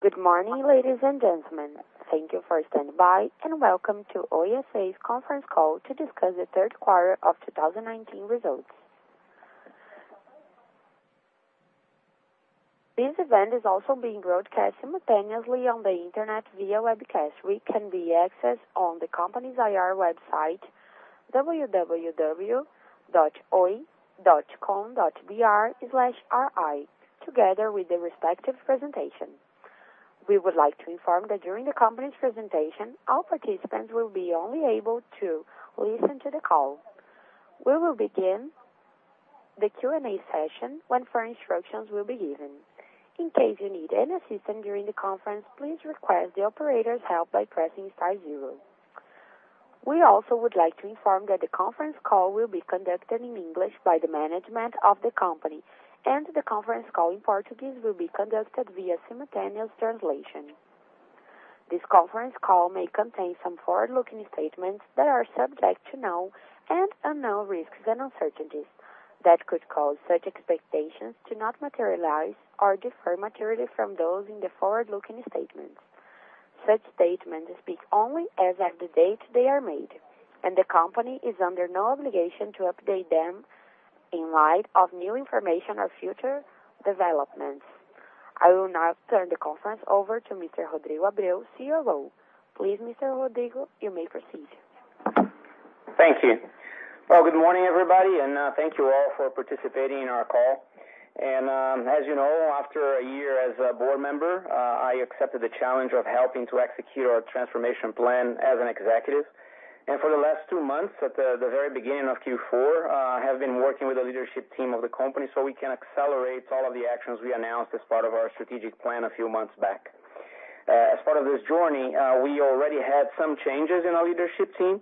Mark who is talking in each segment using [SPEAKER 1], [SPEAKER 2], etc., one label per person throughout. [SPEAKER 1] Good morning, ladies and gentlemen. Thank you for standing by, and welcome to Oi S.A.'s conference call to discuss the Q3 of 2019 results. This event is also being broadcast simultaneously on the internet via webcast, which can be accessed on the company's IR website, www.oi.com.br/ri, together with the respective presentation. We would like to inform that during the company's presentation, all participants will be only able to listen to the call. We will begin the Q&A session when further instructions will be given. In case you need any assistance during the conference, please request the operator's help by pressing star zero. We also would like to inform that the conference call will be conducted in English by the management of the company, and the conference call in Portuguese will be conducted via simultaneous translation. This conference call may contain some forward-looking statements that are subject to known and unknown risks and uncertainties that could cause such expectations to not materialize or differ materially from those in the forward-looking statements. Such statements speak only as of the date they are made, and the company is under no obligation to update them in light of new information or future developments. I will now turn the conference over to Mr. Rodrigo Abreu, COO. Please, Mr. Rodrigo, you may proceed.
[SPEAKER 2] Thank you. Well, good morning, everybody, thank you all for participating in our call. As you know, after a year as a board member, I accepted the challenge of helping to execute our transformation plan as an executive. For the last two months, at the very beginning of Q4, I have been working with the leadership team of the company so we can accelerate all of the actions we announced as part of our strategic plan a few months back. As part of this journey, we already had some changes in our leadership team.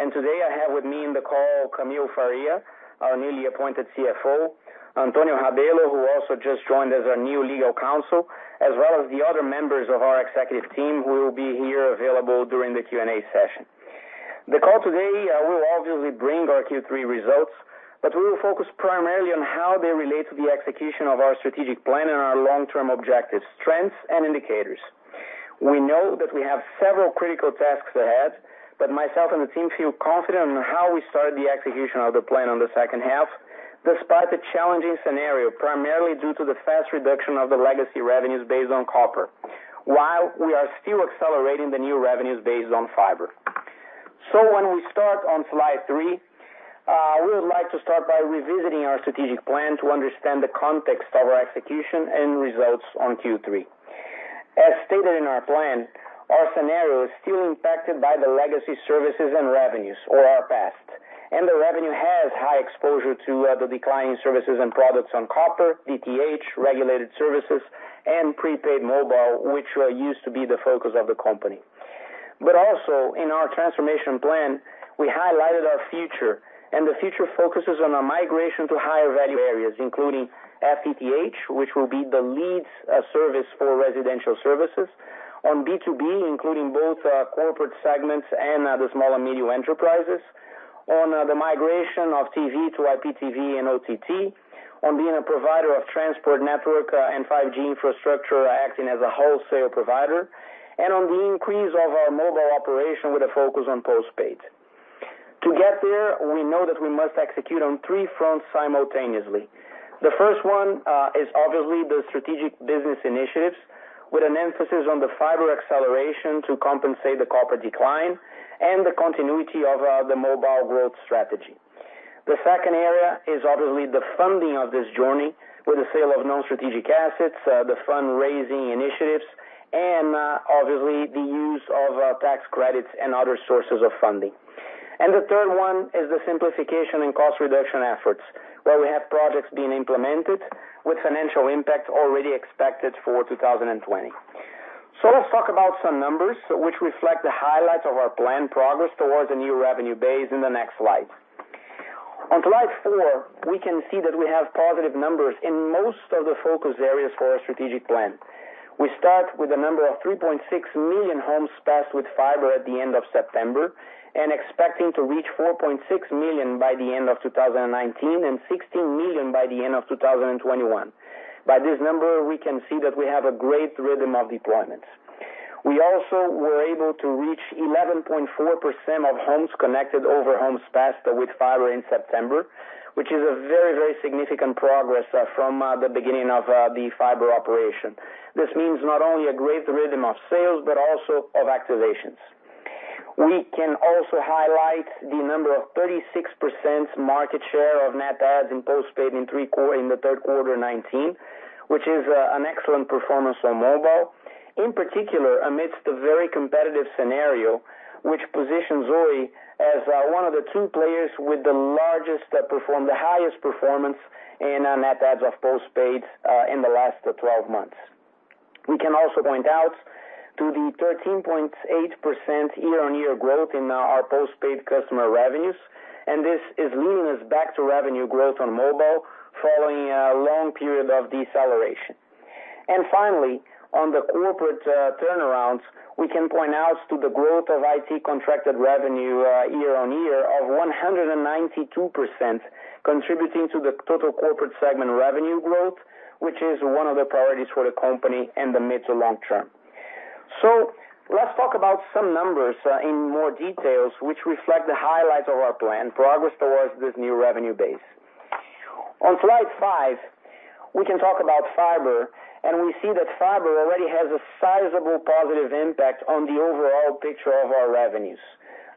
[SPEAKER 2] Today I have with me in the call, Camille Faria, our newly appointed CFO, Antonio Rabelo, who also just joined as our new legal counsel, as well as the other members of our executive team who will be here available during the Q&A session. The call today will obviously bring our Q3 results, but we will focus primarily on how they relate to the execution of our strategic plan and our long-term objectives, strengths, and indicators. We know that we have several critical tasks ahead, but myself and the team feel confident on how we started the execution of the plan on the H2, despite the challenging scenario, primarily due to the fast reduction of the legacy revenues based on copper, while we are still accelerating the new revenues based on fiber. When we start on slide three, we would like to start by revisiting our strategic plan to understand the context of our execution and results on Q3. As stated in our plan, our scenario is still impacted by the legacy services and revenues or our past. The revenue has high exposure to the declining services and products on copper, DTH, regulated services, and prepaid mobile, which used to be the focus of the company. Also in our transformation plan, we highlighted our future, and the future focuses on a migration to higher value areas, including FTTH, which will be the lead service for residential services. On B2B, including both corporate segments and the small and medium enterprises. On the migration of TV to IPTV and OTT. On being a provider of transport network and 5G infrastructure, acting as a wholesale provider. On the increase of our mobile operation with a focus on postpaid. To get there, we know that we must execute on three fronts simultaneously. The first one is obviously the strategic business initiatives, with an emphasis on the fiber acceleration to compensate the copper decline and the continuity of the mobile growth strategy. The second area is obviously the funding of this journey with the sale of non-strategic assets, the fundraising initiatives, and obviously the use of tax credits and other sources of funding. The third one is the simplification and cost reduction efforts, where we have projects being implemented with financial impact already expected for 2020. Let's talk about some numbers which reflect the highlights of our plan progress towards a new revenue base in the next slide. On slide four, we can see that we have positive numbers in most of the focus areas for our strategic plan. We start with a number of 3.6 million homes passed with fiber at the end of September. Expecting to reach 4.6 million by the end of 2019 and 16 million by the end of 2021. By this number, we can see that we have a great rhythm of deployment. We also were able to reach 11.4% of homes connected over homes passed with fiber in September, which is a very significant progress from the beginning of the fiber operation. This means not only a great rhythm of sales, but also of activations. We can also highlight the number of 36% market share of net adds in postpaid in the Q3 2019, which is an excellent performance on mobile. In particular, amidst a very competitive scenario, which positions Oi as one of the two players with the highest performance in net adds of postpaid in the last 12 months. We can also point out to the 13.8% year-on-year growth in our postpaid customer revenues, this is leading us back to revenue growth on mobile following a long period of deceleration. We can point out to the growth of IT contracted revenue year-on-year of 192%, contributing to the total Corporate Segment revenue growth, which is one of the priorities for the company in the mid to long term. Let's talk about some numbers in more details, which reflect the highlights of our plan, progress towards this new revenue base. On slide five, we can talk about Fiber, and we see that Fiber already has a sizable positive impact on the overall picture of our revenues.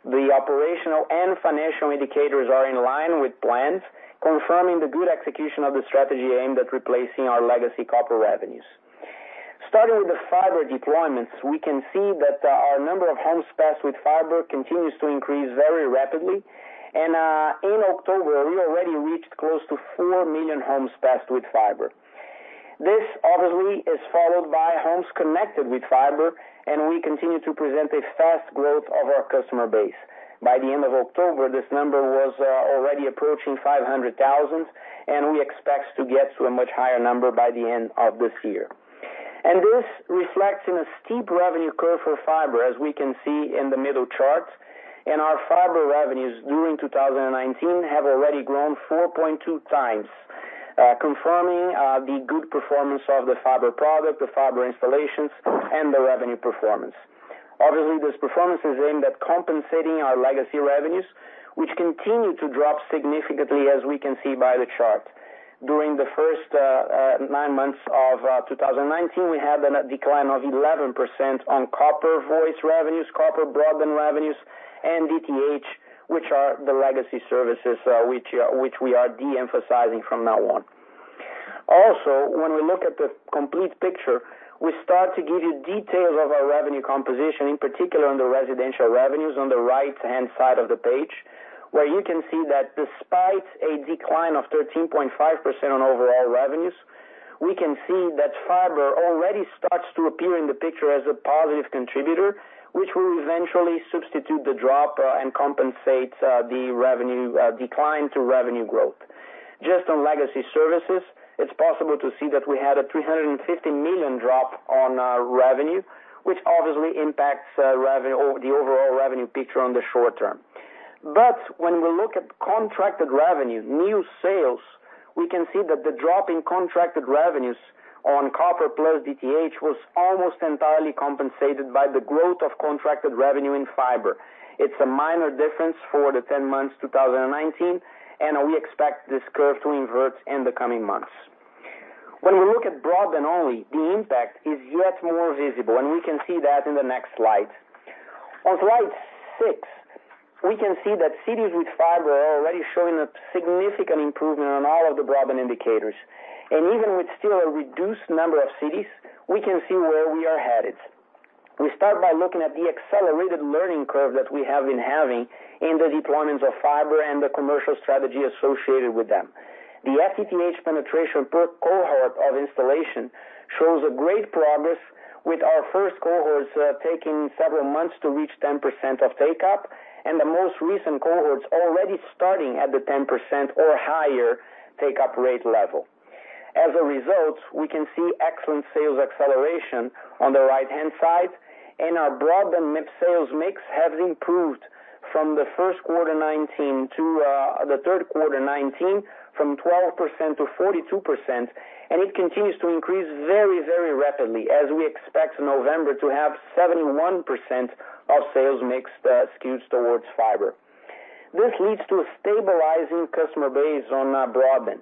[SPEAKER 2] The operational and financial indicators are in line with plans, confirming the good execution of the strategy aimed at replacing our legacy copper revenues. Starting with the fiber deployments, we can see that our number of homes passed with fiber continues to increase very rapidly, and in October, we already reached close to 4 million homes passed with fiber. This obviously is followed by homes connected with fiber, and we continue to present a fast growth of our customer base. By the end of October, this number was already approaching 500,000, and we expect to get to a much higher number by the end of this year. This reflects in a steep revenue curve for fiber, as we can see in the middle chart, and our fiber revenues during 2019 have already grown 4.2 times, confirming the good performance of the fiber product, the fiber installations, and the revenue performance. Obviously, this performance is aimed at compensating our legacy revenues, which continue to drop significantly, as we can see by the chart. During the nine months of 2019, we had a decline of 11% on copper voice revenues, copper broadband revenues, and DTH, which are the legacy services, which we are de-emphasizing from now on. Also, when we look at the complete picture, we start to give you details of our revenue composition, in particular on the residential revenues on the right-hand side of the page, where you can see that despite a decline of 13.5% on overall revenues, we can see that fiber already starts to appear in the picture as a positive contributor, which will eventually substitute the drop and compensate the decline to revenue growth. Just on legacy services, it's possible to see that we had a 350 million drop on our revenue, which obviously impacts the overall revenue picture on the short term. When we look at contracted revenue, new sales, we can see that the drop in contracted revenues on copper plus DTH was almost entirely compensated by the growth of contracted revenue in fiber. It's a minor difference for the 10 months 2019, and we expect this curve to invert in the coming months. When we look at broadband only, the impact is yet more visible, and we can see that in the next slide. On slide six, we can see that cities with fiber are already showing a significant improvement on all of the broadband indicators. Even with still a reduced number of cities, we can see where we are headed. We start by looking at the accelerated learning curve that we have been having in the deployments of fiber and the commercial strategy associated with them. The FTTH penetration per cohort of installation shows a great progress with our first cohorts taking several months to reach 10% of take-up, and the most recent cohorts already starting at the 10% or higher take-up rate level. We can see excellent sales acceleration on the right-hand side, our broadband mix sales mix has improved from the Q1 2019 to the Q3 2019, from 12% to 42%, and it continues to increase very rapidly as we expect November to have 71% of sales mix skewed towards fiber. This leads to a stabilizing customer base on broadband.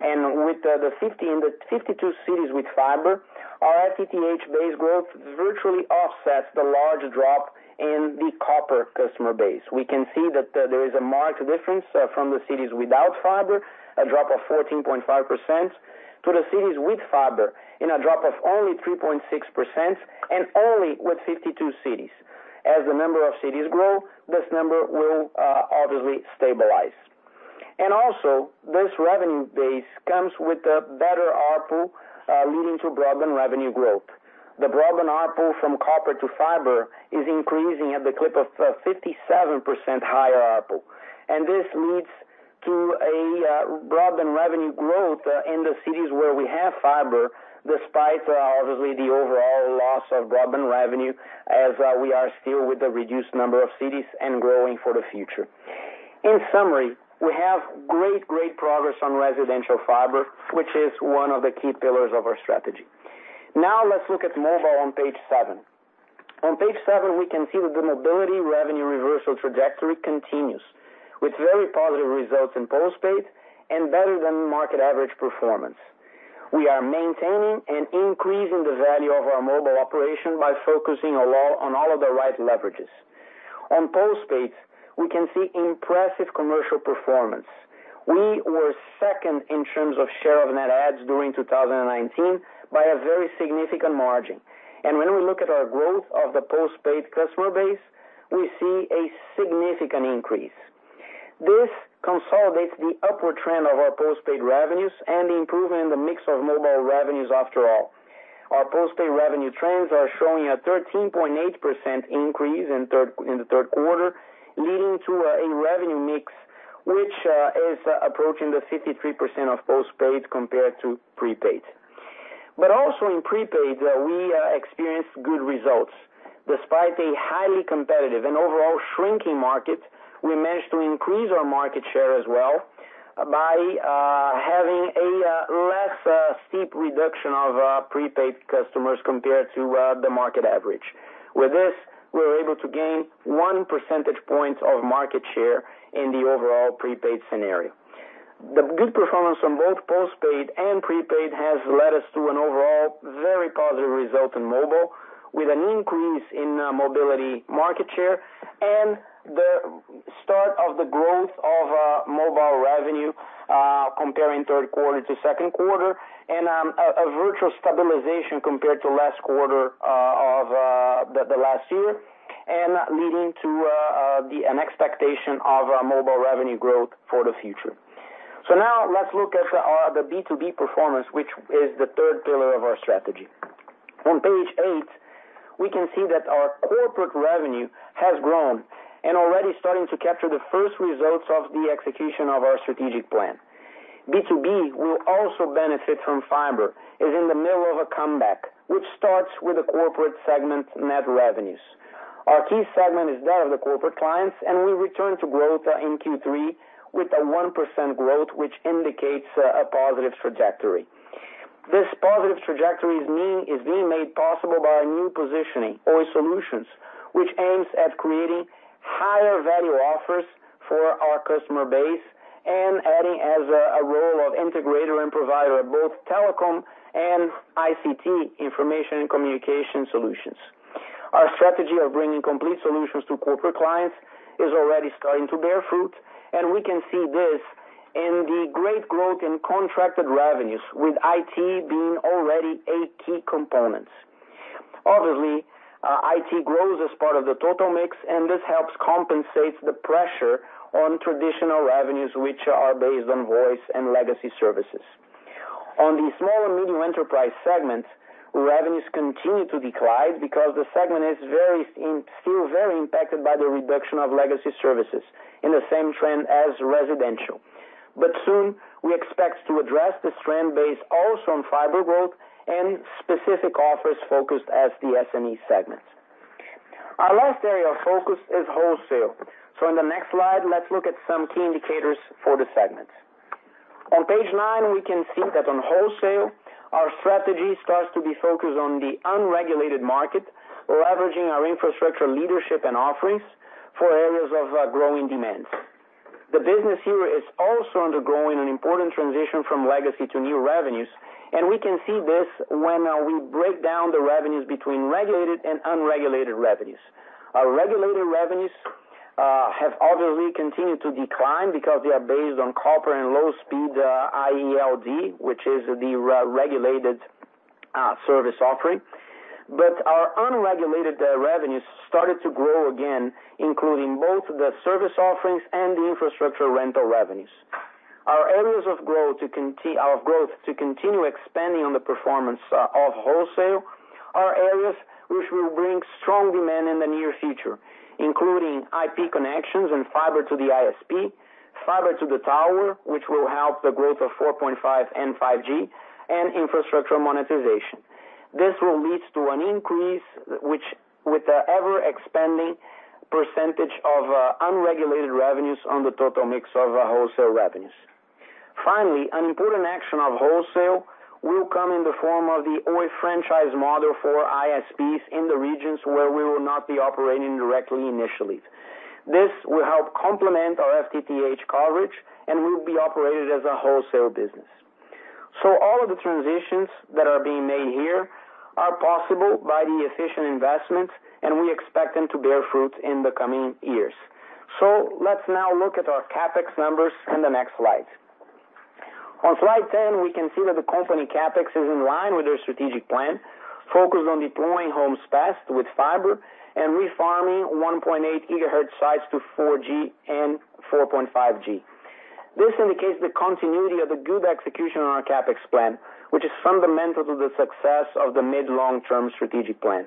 [SPEAKER 2] With the 52 cities with fiber, our FTTH base growth virtually offsets the large drop in the copper customer base. We can see that there is a marked difference from the cities without fiber, a drop of 14.5%, to the cities with fiber in a drop of only 3.6%, and only with 52 cities. As the number of cities grow, this number will obviously stabilize. Also, this revenue base comes with a better ARPU, leading to broadband revenue growth. The broadband ARPU from copper to fiber is increasing at the clip of 57% higher ARPU. This leads to a broadband revenue growth in the cities where we have fiber, despite obviously the overall loss of broadband revenue as we are still with the reduced number of cities and growing for the future. In summary, we have great progress on residential fiber, which is one of the key pillars of our strategy. Now let's look at mobile on page seven. On page seven, we can see that the mobility revenue reversal trajectory continues with very positive results in postpaid and better than market average performance. We are maintaining and increasing the value of our mobile operation by focusing on all of the right leverages. On postpaid, we can see impressive commercial performance. We were second in terms of share of net adds during 2019 by a very significant margin. When we look at our growth of the postpaid customer base, we see a significant increase. This consolidates the upward trend of our postpaid revenues and the improvement in the mix of mobile revenues after all. Our postpaid revenue trends are showing a 13.8% increase in the Q3, leading to a revenue mix which is approaching 53% of postpaid compared to prepaid. Also in prepaid, we experienced good results. Despite a highly competitive and overall shrinking market, we managed to increase our market share as well by having a less steep reduction of prepaid customers compared to the market average. With this, we were able to gain one percentage point of market share in the overall prepaid scenario. The good performance on both postpaid and prepaid has led us to an overall very positive result in mobile, with an increase in mobility market share and the start of the growth of mobile revenue comparing Q3 to Q2, and a virtual stabilization compared to last quarter of the last year, and leading to an expectation of mobile revenue growth for the future. Now let's look at the B2B performance, which is the third pillar of our strategy. On page eight, we can see that our corporate revenue has grown and already starting to capture the first results of the execution of our strategic plan. B2B will also benefit from fiber, is in the middle of a comeback, which starts with the corporate segment net revenues. Our key segment is that of the corporate clients, and we return to growth in Q3 with a 1% growth, which indicates a positive trajectory. This positive trajectory is being made possible by a new positioning, Oi Solutions, which aims at creating higher value offers for our customer base and adding as a role of integrator and provider of both telecom and ICT information and communication solutions. Our strategy of bringing complete solutions to corporate clients is already starting to bear fruit, and we can see this in the great growth in contracted revenues, with IT being already a key component. Obviously, IT grows as part of the total mix, and this helps compensate the pressure on traditional revenues, which are based on voice and legacy services. On the small and medium enterprise segment, revenues continue to decline because the segment is still very impacted by the reduction of legacy services in the same trend as residential. Soon, we expect to address this trend based also on fiber growth and specific offers focused as the SME segment. Our last area of focus is wholesale. On the next slide, let's look at some key indicators for the segment. On page nine, we can see that on wholesale, our strategy starts to be focused on the unregulated market, leveraging our infrastructure leadership and offerings for areas of growing demand. The business here is also undergoing an important transition from legacy to new revenues, and we can see this when we break down the revenues between regulated and unregulated revenues. Our regulated revenues have obviously continued to decline because they are based on copper and low-speed EILD, which is the regulated service offering. Our unregulated revenues started to grow again, including both the service offerings and the infrastructure rental revenues. Our areas of growth to continue expanding on the performance of wholesale are areas which will bring strong demand in the near future, including IP connections and fiber to the ISP, fiber to the tower, which will help the growth of 4.5G and 5G, and infrastructure monetization. This will lead to an increase, with the ever-expanding percentage of unregulated revenues on the total mix of wholesale revenues. Finally, an important action of wholesale will come in the form of the Oi franchise model for ISPs in the regions where we will not be operating directly initially. This will help complement our FTTH coverage and will be operated as a wholesale business. All of the transitions that are being made here are possible by the efficient investments, and we expect them to bear fruit in the coming years. Let's now look at our CapEx numbers in the next slides. On slide 10, we can see that the company CapEx is in line with their strategic plan, focused on deploying homes passed with fiber and refarming 1.8 GHz sites to 4G and 4.5G. This indicates the continuity of the good execution on our CapEx plan, which is fundamental to the success of the mid-long-term strategic plan.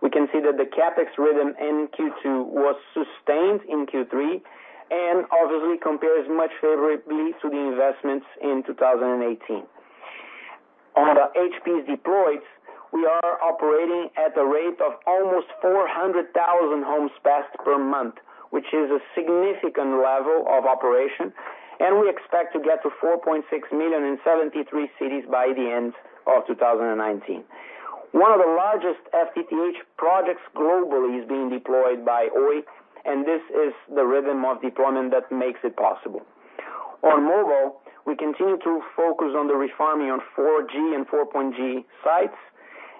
[SPEAKER 2] We can see that the CapEx rhythm in Q2 was sustained in Q3, and obviously compares much favorably to the investments in 2018. On HPs deployed, we are operating at a rate of almost 400,000 homes passed per month, which is a significant level of operation, and we expect to get to 4.6 million in 73 cities by the end of 2019. One of the largest FTTH projects globally is being deployed by Oi, and this is the rhythm of deployment that makes it possible. On mobile, we continue to focus on the refarming on 4G and 4.5G sites,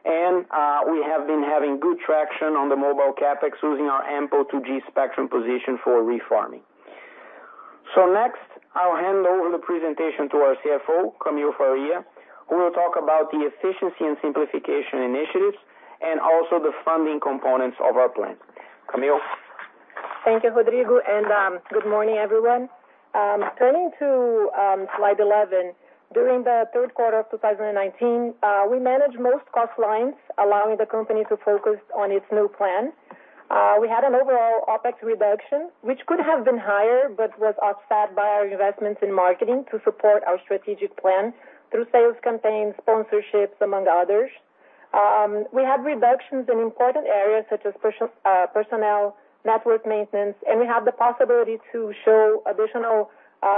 [SPEAKER 2] and we have been having good traction on the mobile CapEx using our ample 2G spectrum position for refarming. Next, I'll hand over the presentation to our CFO, Camille Faria, who will talk about the efficiency and simplification initiatives and also the funding components of our plan. Camille?
[SPEAKER 3] Thank you, Rodrigo. Good morning, everyone. Turning to slide 11, during the Q3 of 2019, we managed most cost lines, allowing the company to focus on its new plan. We had an overall OpEx reduction, which could have been higher, but was offset by our investments in marketing to support our strategic plan through sales campaigns, sponsorships, among others. We had reductions in important areas such as personnel, network maintenance, and we have the possibility to show additional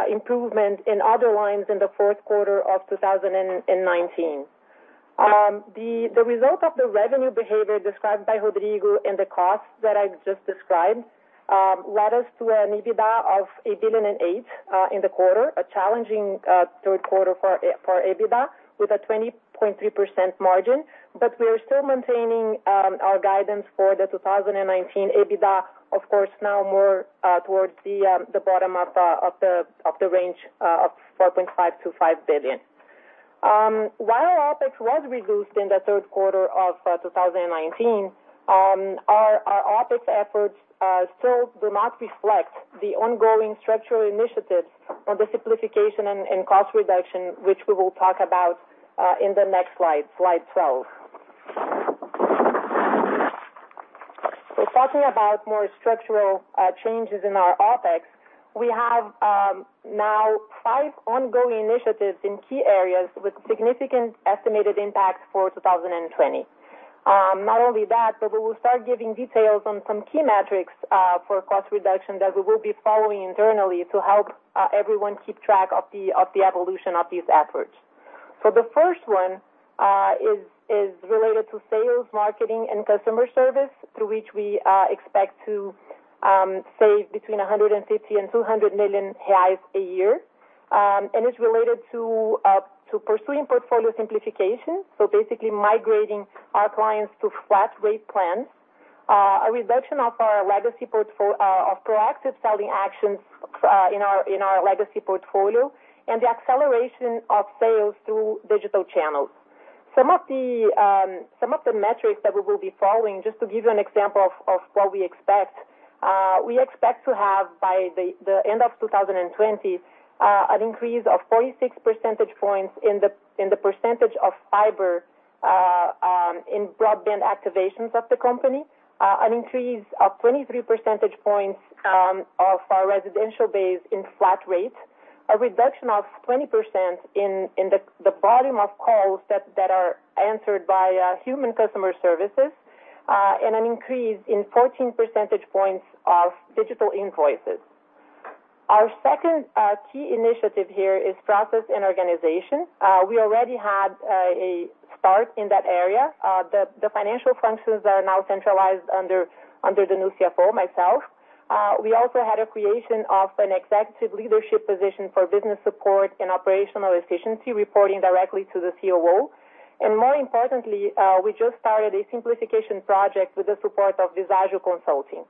[SPEAKER 3] improvement in other lines in the Q4 of 2019. The result of the revenue behavior described by Rodrigo and the costs that I've just described, led us to an EBITDA of 1.8 billion in the quarter, a challenging Q3 for EBITDA with a 20.3% margin. We're still maintaining our guidance for the 2019 EBITDA, of course, now more towards the bottom of the range of 4.5 billion-5 billion. While OpEx was reduced in the Q3 of 2019, our OpEx efforts still do not reflect the ongoing structural initiatives on the simplification and cost reduction, which we will talk about in the next slide 12. Talking about more structural changes in our OpEx, we have now five ongoing initiatives in key areas with significant estimated impacts for 2020. We will start giving details on some key metrics for cost reduction that we will be following internally to help everyone keep track of the evolution of these efforts. The first one is related to sales, marketing, and customer service, through which we expect to save between 150 million and 200 million reais a year. It's related to pursuing portfolio simplification, so basically migrating our clients to flat rate plans. A reduction of proactive selling actions in our legacy portfolio and the acceleration of sales through digital channels. Some of the metrics that we will be following, just to give you an example of what we expect. We expect to have by the end of 2020, an increase of 46 percentage points in the percentage of fiber in broadband activations of the company. An increase of 23 percentage points of our residential base in flat rate. A reduction of 20% in the volume of calls that are answered via human customer services, and an increase in 14 percentage points of digital invoices. Our second key initiative here is process and organization. We already had a start in that area. The financial functions are now centralized under the new CFO, myself. We also had a creation of an executive leadership position for business support and operational efficiency reporting directly to the COO. More importantly, we just started a simplification project with the support of Visagio Consulting.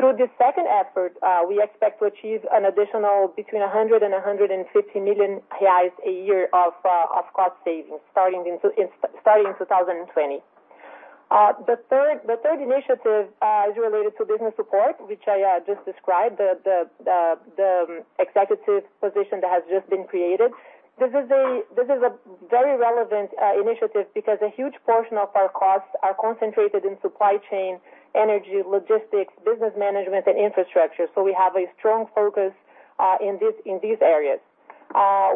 [SPEAKER 3] Through this second effort, we expect to achieve an additional between 100 million and 150 million reais a year of cost savings starting in 2020. The third initiative is related to business support, which I just described, the executive position that has just been created. This is a very relevant initiative because a huge portion of our costs are concentrated in supply chain, energy, logistics, business management, and infrastructure. We have a strong focus in these areas.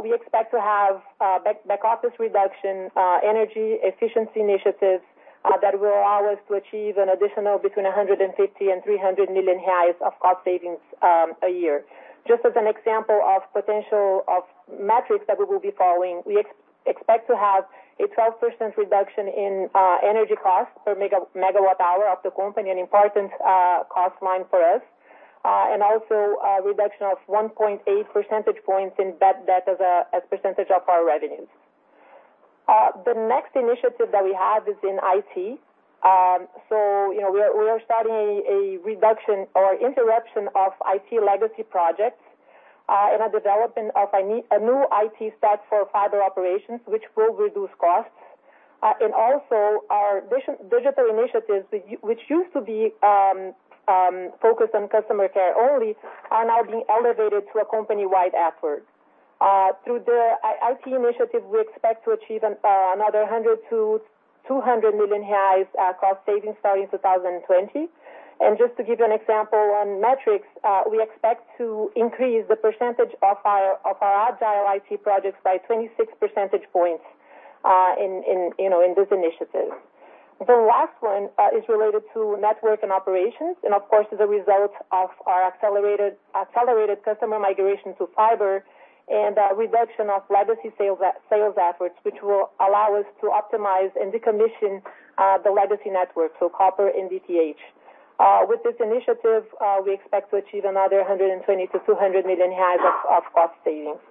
[SPEAKER 3] We expect to have back office reduction, energy efficiency initiatives that will allow us to achieve an additional between 150 million and 300 million of cost savings a year. Just as an example of potential of metrics that we will be following, we expect to have a 12% reduction in energy costs per megawatt hour of the company, an important cost line for us. Also a reduction of 1.8 percentage points in bad debt as a percentage of our revenues. The next initiative that we have is in IT. We are starting a reduction or interruption of IT legacy projects, and a development of a new IT stack for fiber operations, which will reduce costs. Also our digital initiatives, which used to be focused on customer care only, are now being elevated to a company-wide effort. Through the IT initiative, we expect to achieve another 100 million-200 million reais cost savings starting in 2020. Just to give you an example on metrics, we expect to increase the percentage of our agile IT projects by 26 percentage points in this initiative. The last one is related to network and operations, and of course, is a result of our accelerated customer migration to fiber and a reduction of legacy sales efforts, which will allow us to optimize and decommission the legacy network, so copper and DTH. With this initiative, we expect to achieve another 120 million-200 million of cost savings.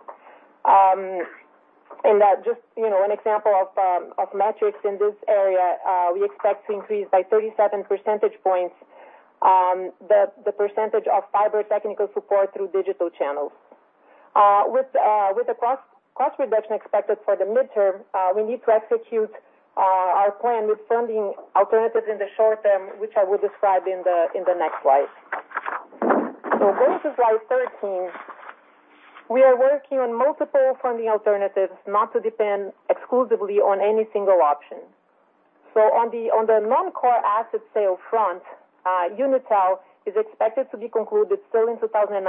[SPEAKER 3] Just an example of metrics in this area, we expect to increase by 37 percentage points, the percentage of fiber technical support through digital channels. With the cost reduction expected for the midterm, we need to execute our plan with funding alternatives in the short term, which I will describe in the next slide. Going to slide 13. We are working on multiple funding alternatives, not to depend exclusively on any single option. On the non-core asset sale front, Unitel is expected to be concluded still in 2019,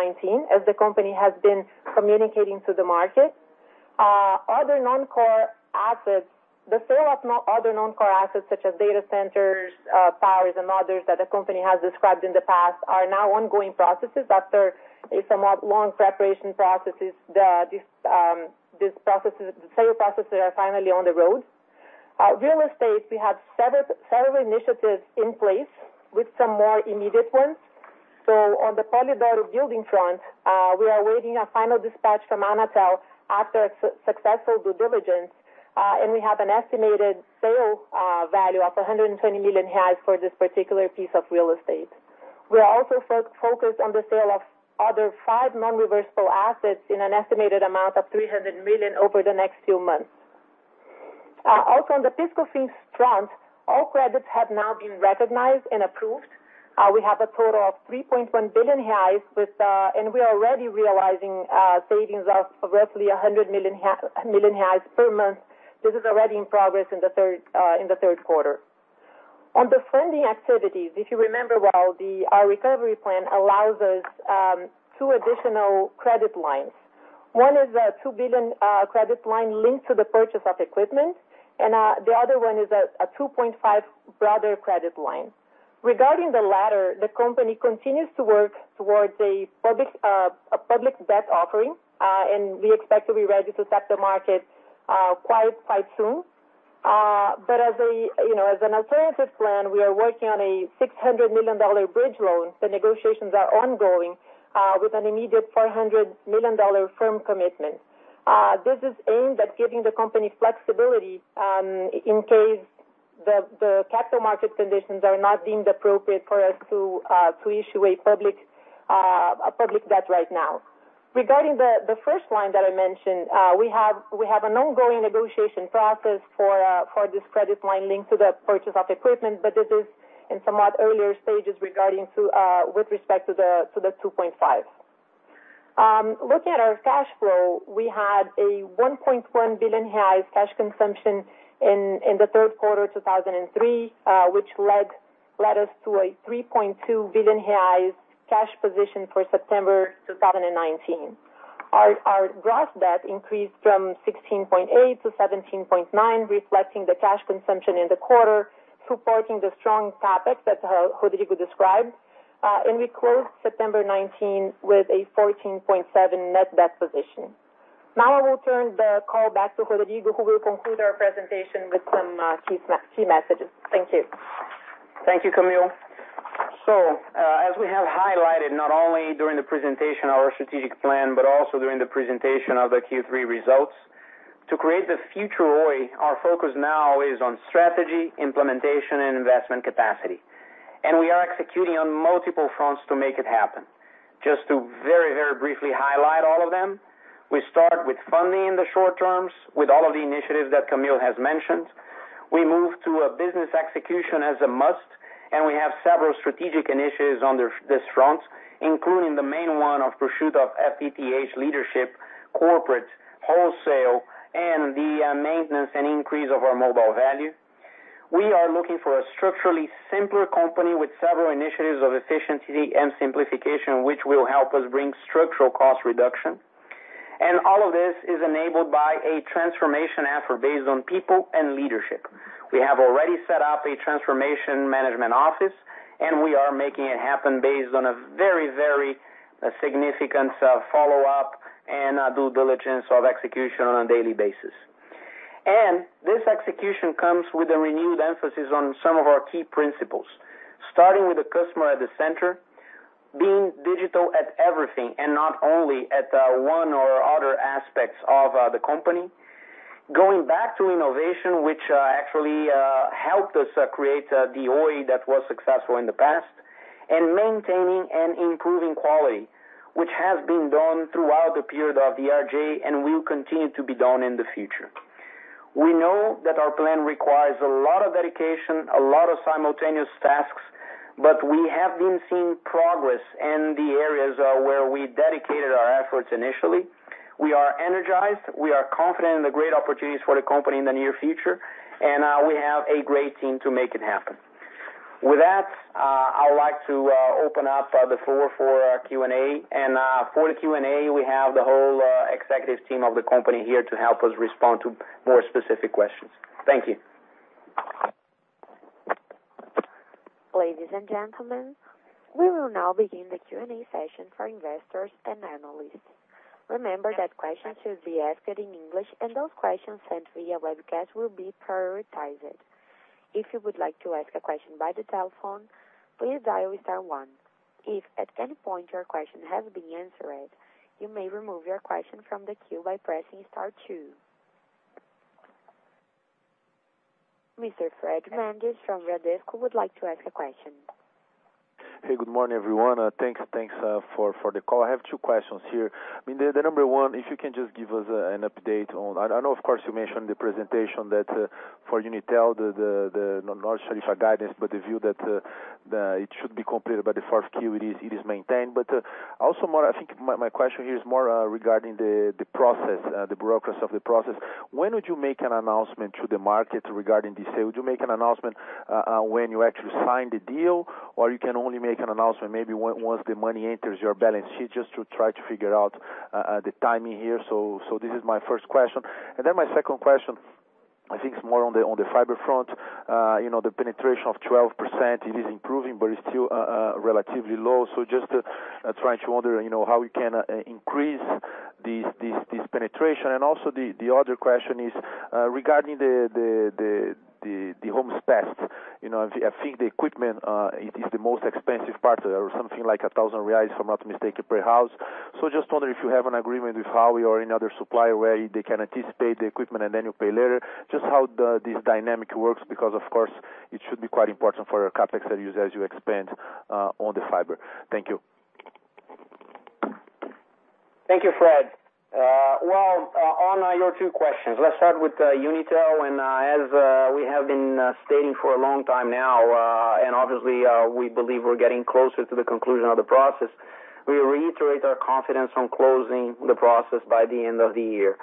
[SPEAKER 3] as the company has been communicating to the market. The sale of other non-core assets such as data centers, towers, and others that the company has described in the past, are now ongoing processes. After a somewhat long preparation processes, the sale processes are finally on the road. Real estate, we have several initiatives in place with some more immediate ones. On the Polidoro building front, we are awaiting a final dispatch from Anatel after a successful due diligence. We have an estimated sale value of 120 million for this particular piece of real estate. We are also focused on the sale of other five non-reversible assets in an estimated amount of 300 million over the next few months. On the fiscal thesis front, all credits have now been recognized and approved. We have a total of 3.1 billion reais, and we are already realizing savings of roughly 100 million reais per month. This is already in progress in the Q3. On the funding activities, if you remember well, our recovery plan allows us two additional credit lines. One is a 2 billion credit line linked to the purchase of equipment, and the other one is a 2.5 broader credit line. Regarding the latter, the company continues to work towards a public debt offering, and we expect to be ready to tap the market quite soon. As an alternative plan, we are working on a $600 million bridge loan. The negotiations are ongoing, with an immediate $400 million firm commitment. This is aimed at giving the company flexibility in case the capital market conditions are not deemed appropriate for us to issue a public debt right now. Regarding the first line that I mentioned, we have an ongoing negotiation process for this credit line linked to the purchase of equipment, but this is in somewhat earlier stages with respect to the 2.5. Looking at our cash flow, we had a 1.1 billion reais cash consumption in the Q3 2003, which led us to a 3.2 billion reais cash position for September 2019. Our gross debt increased from 16.8 billion-17.9 billion, reflecting the cash consumption in the quarter, supporting the strong CapEx that Rodrigo described. We closed September 2019 with a 14.7 billion net debt position. I will turn the call back to Rodrigo, who will conclude our presentation with some key messages. Thank you.
[SPEAKER 2] Thank you, Camille. As we have highlighted, not only during the presentation of our strategic plan, but also during the presentation of the Q3 results, to create the future Oi, our focus now is on strategy, implementation, and investment capacity. We are executing on multiple fronts to make it happen. Just to very briefly highlight all of them, we start with funding in the short terms with all of the initiatives that Camille has mentioned. We move to a business execution as a must, and we have several strategic initiatives on this front, including the main one of pursuit of FTTH leadership, corporate, wholesale, and the maintenance and increase of our mobile value. We are looking for a structurally simpler company with several initiatives of efficiency and simplification, which will help us bring structural cost reduction. All of this is enabled by a transformation effort based on people and leadership. We have already set up a transformation management office, and we are making it happen based on a very significant follow-up and due diligence of execution on a daily basis. This execution comes with a renewed emphasis on some of our key principles. Starting with the customer at the center, being digital at everything, and not only at one or other aspects of the company. Going back to innovation, which actually helped us create the Oi that was successful in the past, and maintaining and improving quality, which has been done throughout the period of the RJ and will continue to be done in the future. We know that our plan requires a lot of dedication, a lot of simultaneous tasks, but we have been seeing progress in the areas where we dedicated our efforts initially. We are energized, we are confident in the great opportunities for the company in the near future, and we have a great team to make it happen. With that, I would like to open up the floor for Q&A. For the Q&A, we have the whole executive team of the company here to help us respond to more specific questions. Thank you.
[SPEAKER 1] Ladies and gentlemen, we will now begin the Q&A session for investors and analysts. Remember that questions should be asked in English, and those questions sent via webcast will be prioritized. If you would like to ask a question by the telephone, please dial star one. If at any point your question has been answered, you may remove your question from the queue by pressing star two. Mr. Fred Mendes from Bradesco would like to ask a question.
[SPEAKER 4] Hey. Good morning, everyone. Thanks for the call. I have two questions here. The number one, if you can just give us an update. I know, of course, you mentioned the presentation that for Unitel, the non-GAAP guidance, but the view that it should be completed by the Q4, it is maintained. Also, I think my question here is more regarding the process, the brokers of the process. When would you make an announcement to the market regarding this sale? Would you make an announcement when you actually sign the deal, or you can only make an announcement maybe once the money enters your balance sheet? Just to try to figure out the timing here. This is my first question. Then my second question, I think it's more on the fiber front. The penetration of 12%, it is improving, but it's still relatively low. Just trying to wonder how we can increase this penetration. The other question is regarding the Homes Passed. I think the equipment is the most expensive part, or something like 1,000 reais, if I'm not mistaken, per house. Just wondering if you have an agreement with Huawei or any other supplier where they can anticipate the equipment and then you pay later. Just how this dynamic works, because of course, it should be quite important for your CapEx as you expand on the fiber. Thank you.
[SPEAKER 2] Thank you, Fred. Well, on your two questions, let's start with Unitel. As we have been stating for a long time now, obviously, we believe we're getting closer to the conclusion of the process. We reiterate our confidence on closing the process by the end of the year.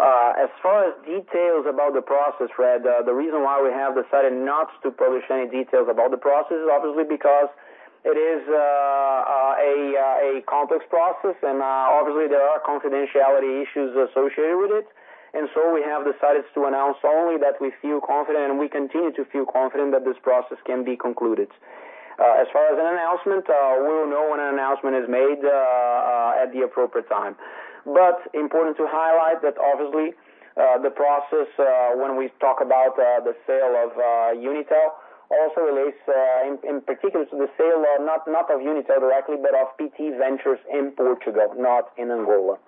[SPEAKER 2] As far as details about the process, Fred, the reason why we have decided not to publish any details about the process is obviously because it is a complex process, and obviously, there are confidentiality issues associated with it. We have decided to announce only that we feel confident, we continue to feel confident that this process can be concluded. As far as an announcement, we will know when an announcement is made at the appropriate time. Important to highlight that obviously, the process, when we talk about the sale of Unitel, also relates in particular to the sale, not of Unitel directly, but of PT Ventures in Portugal, not in Angola.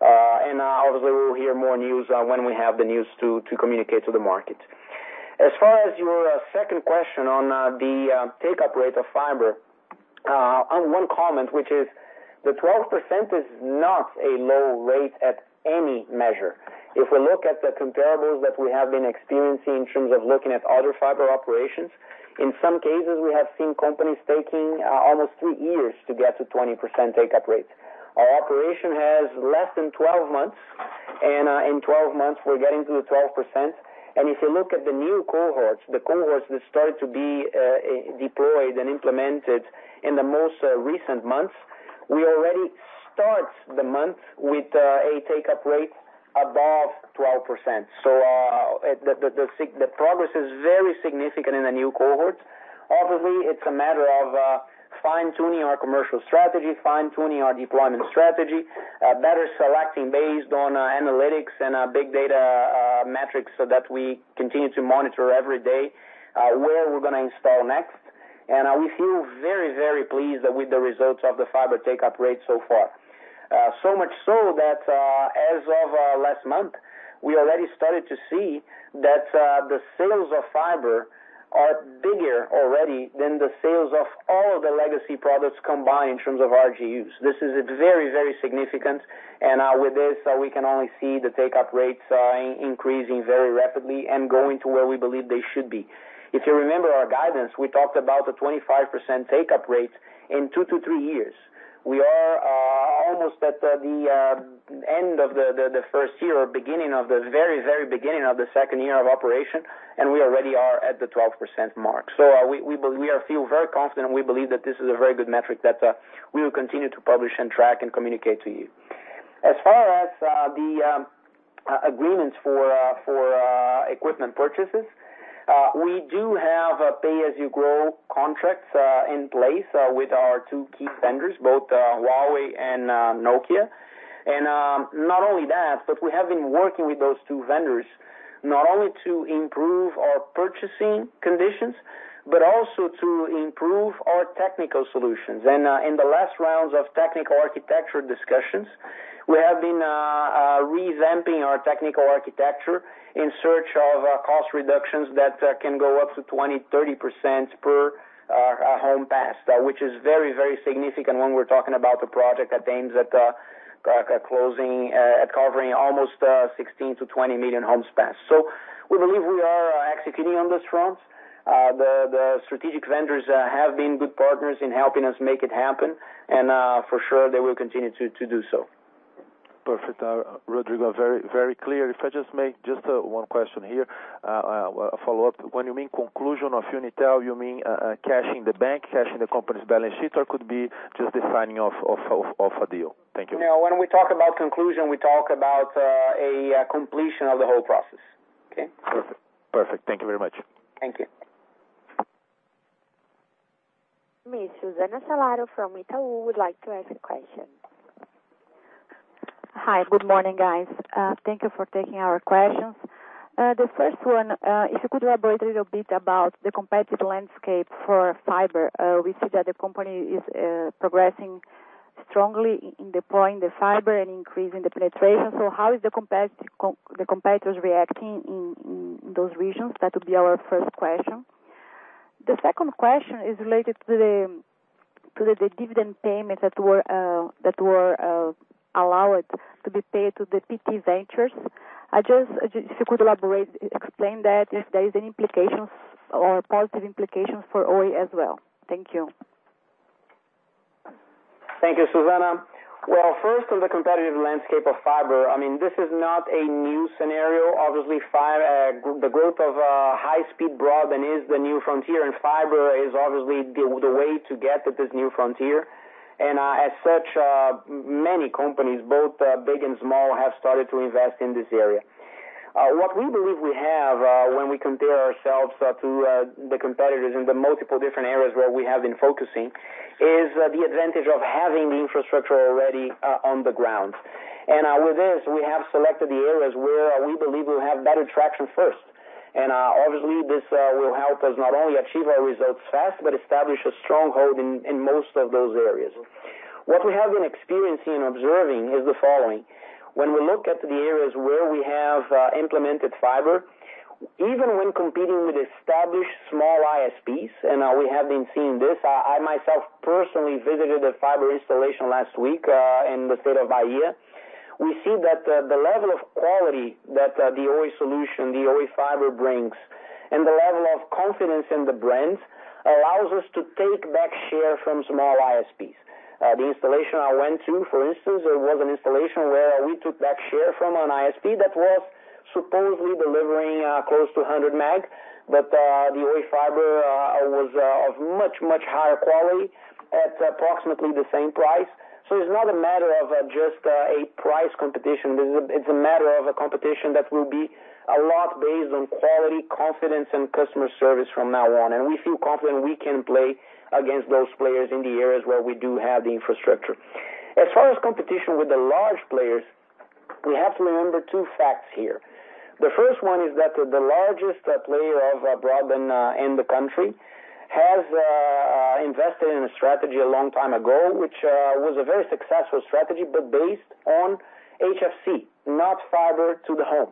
[SPEAKER 2] Obviously, we will hear more news when we have the news to communicate to the market. As far as your second question on the take-up rate of fiber. On one comment, which is the 12% is not a low rate at any measure. If we look at the comparables that we have been experiencing in terms of looking at other fiber operations, in some cases, we have seen companies taking almost three years to get to 20% take-up rates. Our operation has less than 12 months, and in 12 months, we're getting to the 12%. If you look at the new cohorts, the cohorts that started to be deployed and implemented in the most recent months, we already start the month with a take-up rate above 12%. The progress is very significant in the new cohorts. Obviously, it's a matter of fine-tuning our commercial strategy, fine-tuning our deployment strategy, better selecting based on analytics and big data metrics so that we continue to monitor every day where we're going to install next. We feel very pleased with the results of the fiber take-up rate so far. Much so that as of last month, we already started to see that the sales of fiber are bigger already than the sales of all the legacy products combined in terms of RGUs. This is very significant, with this, we can only see the take-up rates increasing very rapidly and going to where we believe they should be. If you remember our guidance, we talked about a 25% take-up rate in two to three years. We are almost at the end of the first year or beginning of the second year of operation, we already are at the 12% mark. We feel very confident, we believe that this is a very good metric that we will continue to publish and track and communicate to you. As far as the agreements for equipment purchases, we do have a pay-as-you-go contract in place with our two key vendors, both Huawei and Nokia. Not only that, but we have been working with those two vendors not only to improve our purchasing conditions, but also to improve our technical solutions. In the last rounds of technical architecture discussions, we have been revamping our technical architecture in search of cost reductions that can go up to 20%, 30% per Homes Passed, which is very significant when we're talking about a project that aims at covering almost 16 million-20 million Homes Passed. We believe we are executing on this front. The strategic vendors have been good partners in helping us make it happen, and for sure, they will continue to do so.
[SPEAKER 4] Perfect. Rodrigo, very clear. I just make one question here, a follow-up. When you mean conclusion of Unitel, you mean cash in the bank, cash in the company's balance sheet, or could be just the signing of a deal? Thank you.
[SPEAKER 2] No, when we talk about conclusion, we talk about a completion of the whole process. Okay?
[SPEAKER 4] Perfect. Thank you very much.
[SPEAKER 2] Thank you.
[SPEAKER 1] Miss Susana Salaru from Itaú would like to ask a question.
[SPEAKER 5] Hi. Good morning, guys. Thank you for taking our questions. The first one, if you could elaborate a little bit about the competitive landscape for fiber. We see that the company is progressing strongly in deploying the fiber and increasing the penetration. How is the competitors reacting in those regions? That would be our first question. The second question is related to the dividend payment that were allowed to be paid to the PT Ventures. If you could elaborate, explain that if there is any positive implications for Oi as well. Thank you.
[SPEAKER 2] Thank you, Susana. Well, first on the competitive landscape of fiber. This is not a new scenario. Obviously, the growth of high-speed broadband is the new frontier, and fiber is obviously the way to get to this new frontier. As such, many companies, both big and small, have started to invest in this area. What we believe we have when we compare ourselves to the competitors in the multiple different areas where we have been focusing, is the advantage of having the infrastructure already on the ground. With this, we have selected the areas where we believe we'll have better traction first. Obviously, this will help us not only achieve our results fast, but establish a stronghold in most of those areas. What we have been experiencing and observing is the following. When we look at the areas where we have implemented fiber, even when competing with established small ISPs, and we have been seeing this. I myself personally visited a fiber installation last week in the state of Bahia. We see that the level of quality that the Oi Solutions, the Oi fiber brings, and the level of confidence in the brand allows us to take back share from small ISPs. The installation I went to, for instance, it was an installation where we took back share from an ISP that was supposedly delivering close to 100 meg, but the Oi fiber was of much, much higher quality at approximately the same price. It's not a matter of just a price competition. It's a matter of a competition that will be a lot based on quality, confidence, and customer service from now on. We feel confident we can play against those players in the areas where we do have the infrastructure. As far as competition with the large players, we have to remember two facts here. The first one is that the largest player of broadband in the country has invested in a strategy a long time ago, which was a very successful strategy, but based on HFC, not fiber to the home.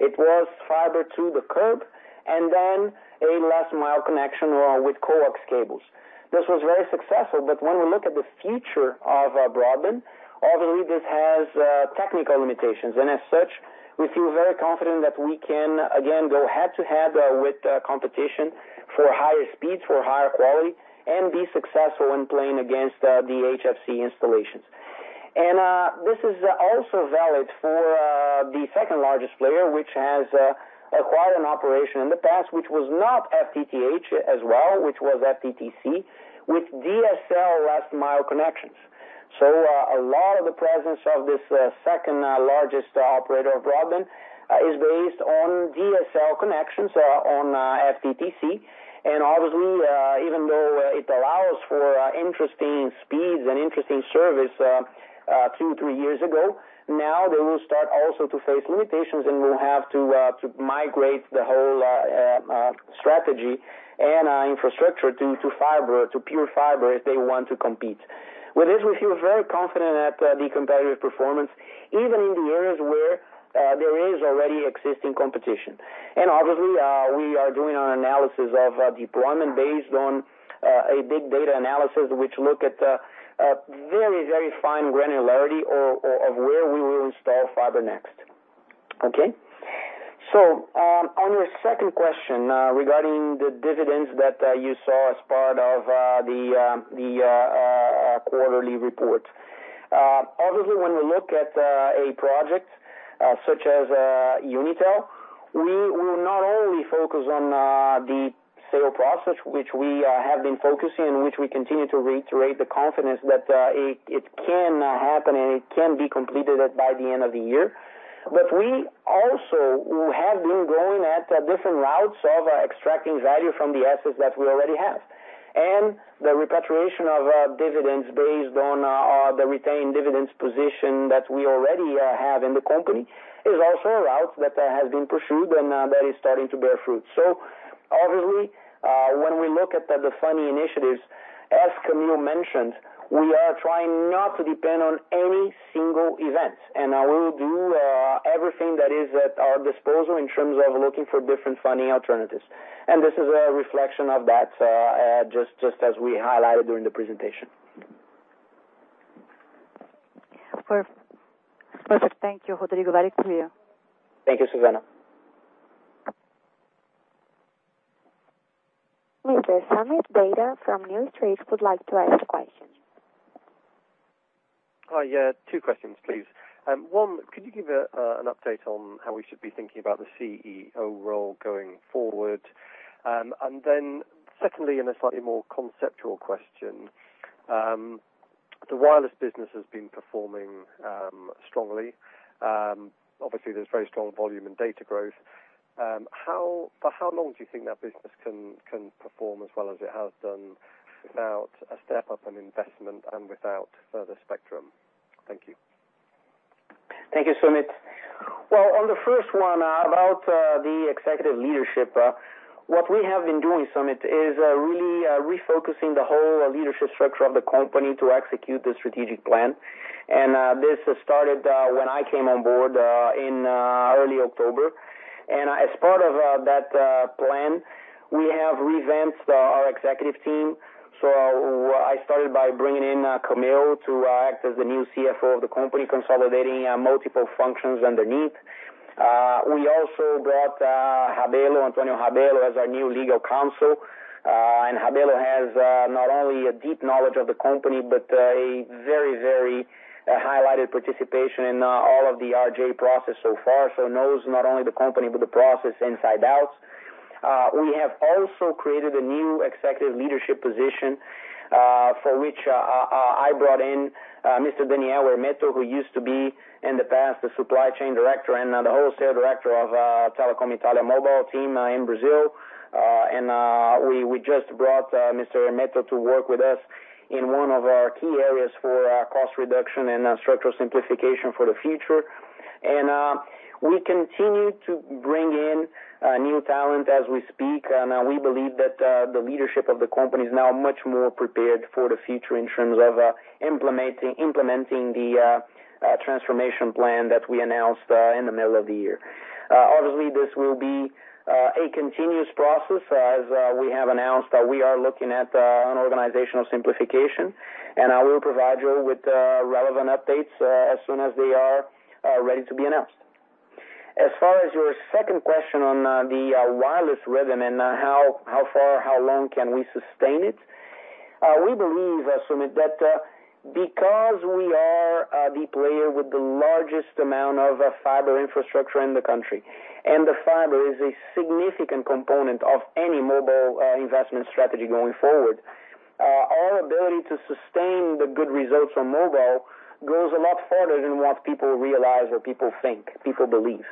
[SPEAKER 2] It was fiber to the curb, and then a last-mile connection with coax cables. This was very successful, but when we look at the future of broadband, obviously this has technical limitations. As such, we feel very confident that we can again go head-to-head with competition for higher speeds, for higher quality, and be successful in playing against the HFC installations. This is also valid for the second-largest player, which has acquired an operation in the past, which was not FTTH as well, which was FTTC, with DSL last-mile connections. A lot of the presence of this second-largest operator of broadband is based on DSL connections on FTTC. Obviously, even though it allows for interesting speeds and interesting service two, three years ago, now they will start also to face limitations and will have to migrate the whole strategy and infrastructure to fiber, to pure fiber, if they want to compete. With this, we feel very confident at the competitive performance, even in the areas where there is already existing competition. Obviously, we are doing an analysis of deployment based on a big data analysis, which look at very, very fine granularity of where we will install fiber next. Okay. On your second question, regarding the dividends that you saw as part of the quarterly report. Obviously, when we look at a project such as Unitel, we will not only focus on the sale process, which we have been focusing on, which we continue to reiterate the confidence that it can happen and it can be completed by the end of the year. We also have been going at different routes of extracting value from the assets that we already have. The repatriation of dividends based on the retained dividends position that we already have in the company is also a route that has been pursued and that is starting to bear fruit. Obviously, when we look at the funding initiatives, as Camille mentioned, we are trying not to depend on any single event. We will do everything that is at our disposal in terms of looking for different funding alternatives. This is a reflection of that, just as we highlighted during the presentation.
[SPEAKER 5] Perfect. Thank you, Rodrigo. Very clear.
[SPEAKER 2] Thank you, Susanna.
[SPEAKER 1] Mr. Samit Data from News Trade would like to ask a question.
[SPEAKER 6] Hi. Two questions, please. Two, could you give an update on how we should be thinking about the CEO role going forward? Secondly, in a slightly more conceptual question. The wireless business has been performing strongly. Obviously, there's very strong volume in data growth. For how long do you think that business can perform as well as it has done without a step-up in investment and without further spectrum? Thank you.
[SPEAKER 2] Thank you, Samit. Well, on the first one, about the executive leadership, what we have been doing, Samit, is really refocusing the whole leadership structure of the company to execute the strategic plan. This started when I came on board in early October. As part of that plan, we have revamped our executive team. I started by bringing in Camille to act as the new CFO of the company, consolidating multiple functions underneath. We also brought Rabelo, Antonio Rabelo, as our new legal counsel. Rabelo has not only a deep knowledge of the company, but a very highlighted participation in all of the RJ process so far. Knows not only the company, but the process inside out. We have also created a new executive leadership position, for which I brought in Mr. Daniel Hermeto, who used to be, in the past, the supply chain director and the wholesale director of Telecom Italia mobile team in Brazil. We just brought Mr. Hermeto to work with us in one of our key areas for cost reduction and structural simplification for the future. We continue to bring in new talent as we speak. We believe that the leadership of the company is now much more prepared for the future in terms of implementing the transformation plan that we announced in the middle of the year. Obviously, this will be a continuous process as we have announced that we are looking at an organizational simplification. I will provide you with relevant updates as soon as they are ready to be announced. As far as your second question on the wireless rhythm and how far, how long can we sustain it? We believe, Samit, that because we are the player with the largest amount of fiber infrastructure in the country, and the fiber is a significant component of any mobile investment strategy going forward, our ability to sustain the good results from mobile goes a lot further than what people realize or people think, people believe.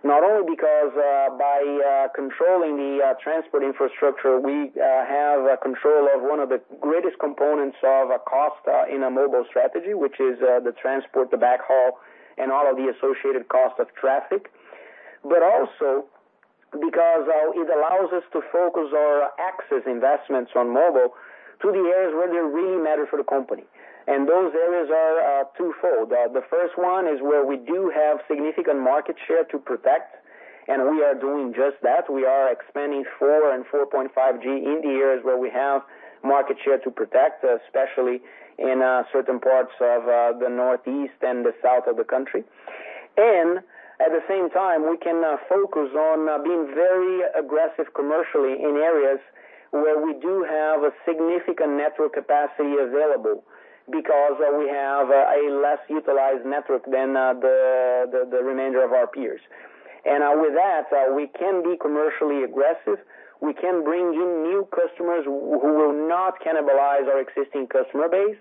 [SPEAKER 2] Because by controlling the transport infrastructure, we have control of one of the greatest components of a cost in a mobile strategy, which is the transport, the backhaul, and all of the associated cost of traffic. Also because it allows us to focus our access investments on mobile to the areas where they really matter for the company. Those areas are twofold. The first one is where we do have significant market share to protect, and we are doing just that. We are expanding 4G and 4.5G in the areas where we have market share to protect, especially in certain parts of the northeast and the south of the country. At the same time, we can focus on being very aggressive commercially in areas where we do have a significant network capacity available because we have a less utilized network than the remainder of our peers. With that, we can be commercially aggressive. We can bring in new customers who will not cannibalize our existing customer base.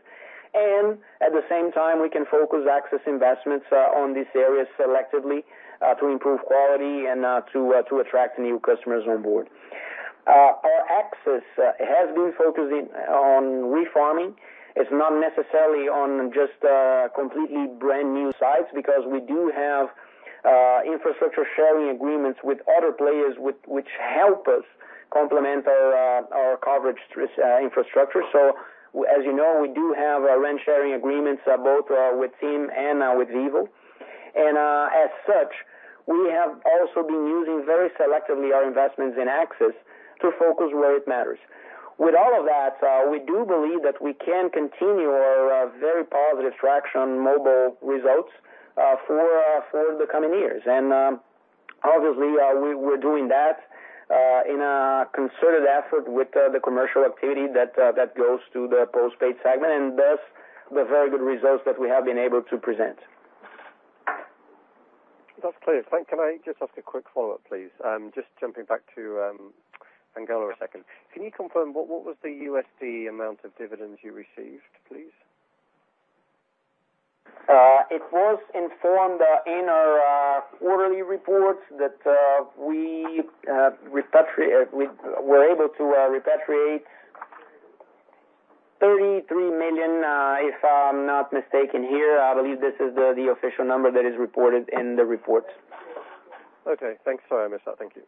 [SPEAKER 2] At the same time, we can focus access investments on these areas selectively, to improve quality and to attract new customers on board. Our access has been focusing on refarming. It's not necessarily on just completely brand-new sites because we do have infrastructure-sharing agreements with other players which help us complement our coverage infrastructure. As you know, we do have rent-sharing agreements both with TIM and with Vivo. As such, we have also been using very selectively our investments in access to focus where it matters. With all of that, we do believe that we can continue our very positive traction mobile results for the coming years. Obviously, we're doing that in a concerted effort with the commercial activity that goes to the postpaid segment, and thus the very good results that we have been able to present.
[SPEAKER 6] That's clear. Can I just ask a quick follow-up, please? Just jumping back to Angola a second. Can you confirm what was the USD amount of dividends you received, please?
[SPEAKER 2] It was informed in our quarterly reports that we were able to repatriate 33 million, if I'm not mistaken here. I believe this is the official number that is reported in the reports.
[SPEAKER 6] Okay. Thanks. Sorry, I missed that. Thank you.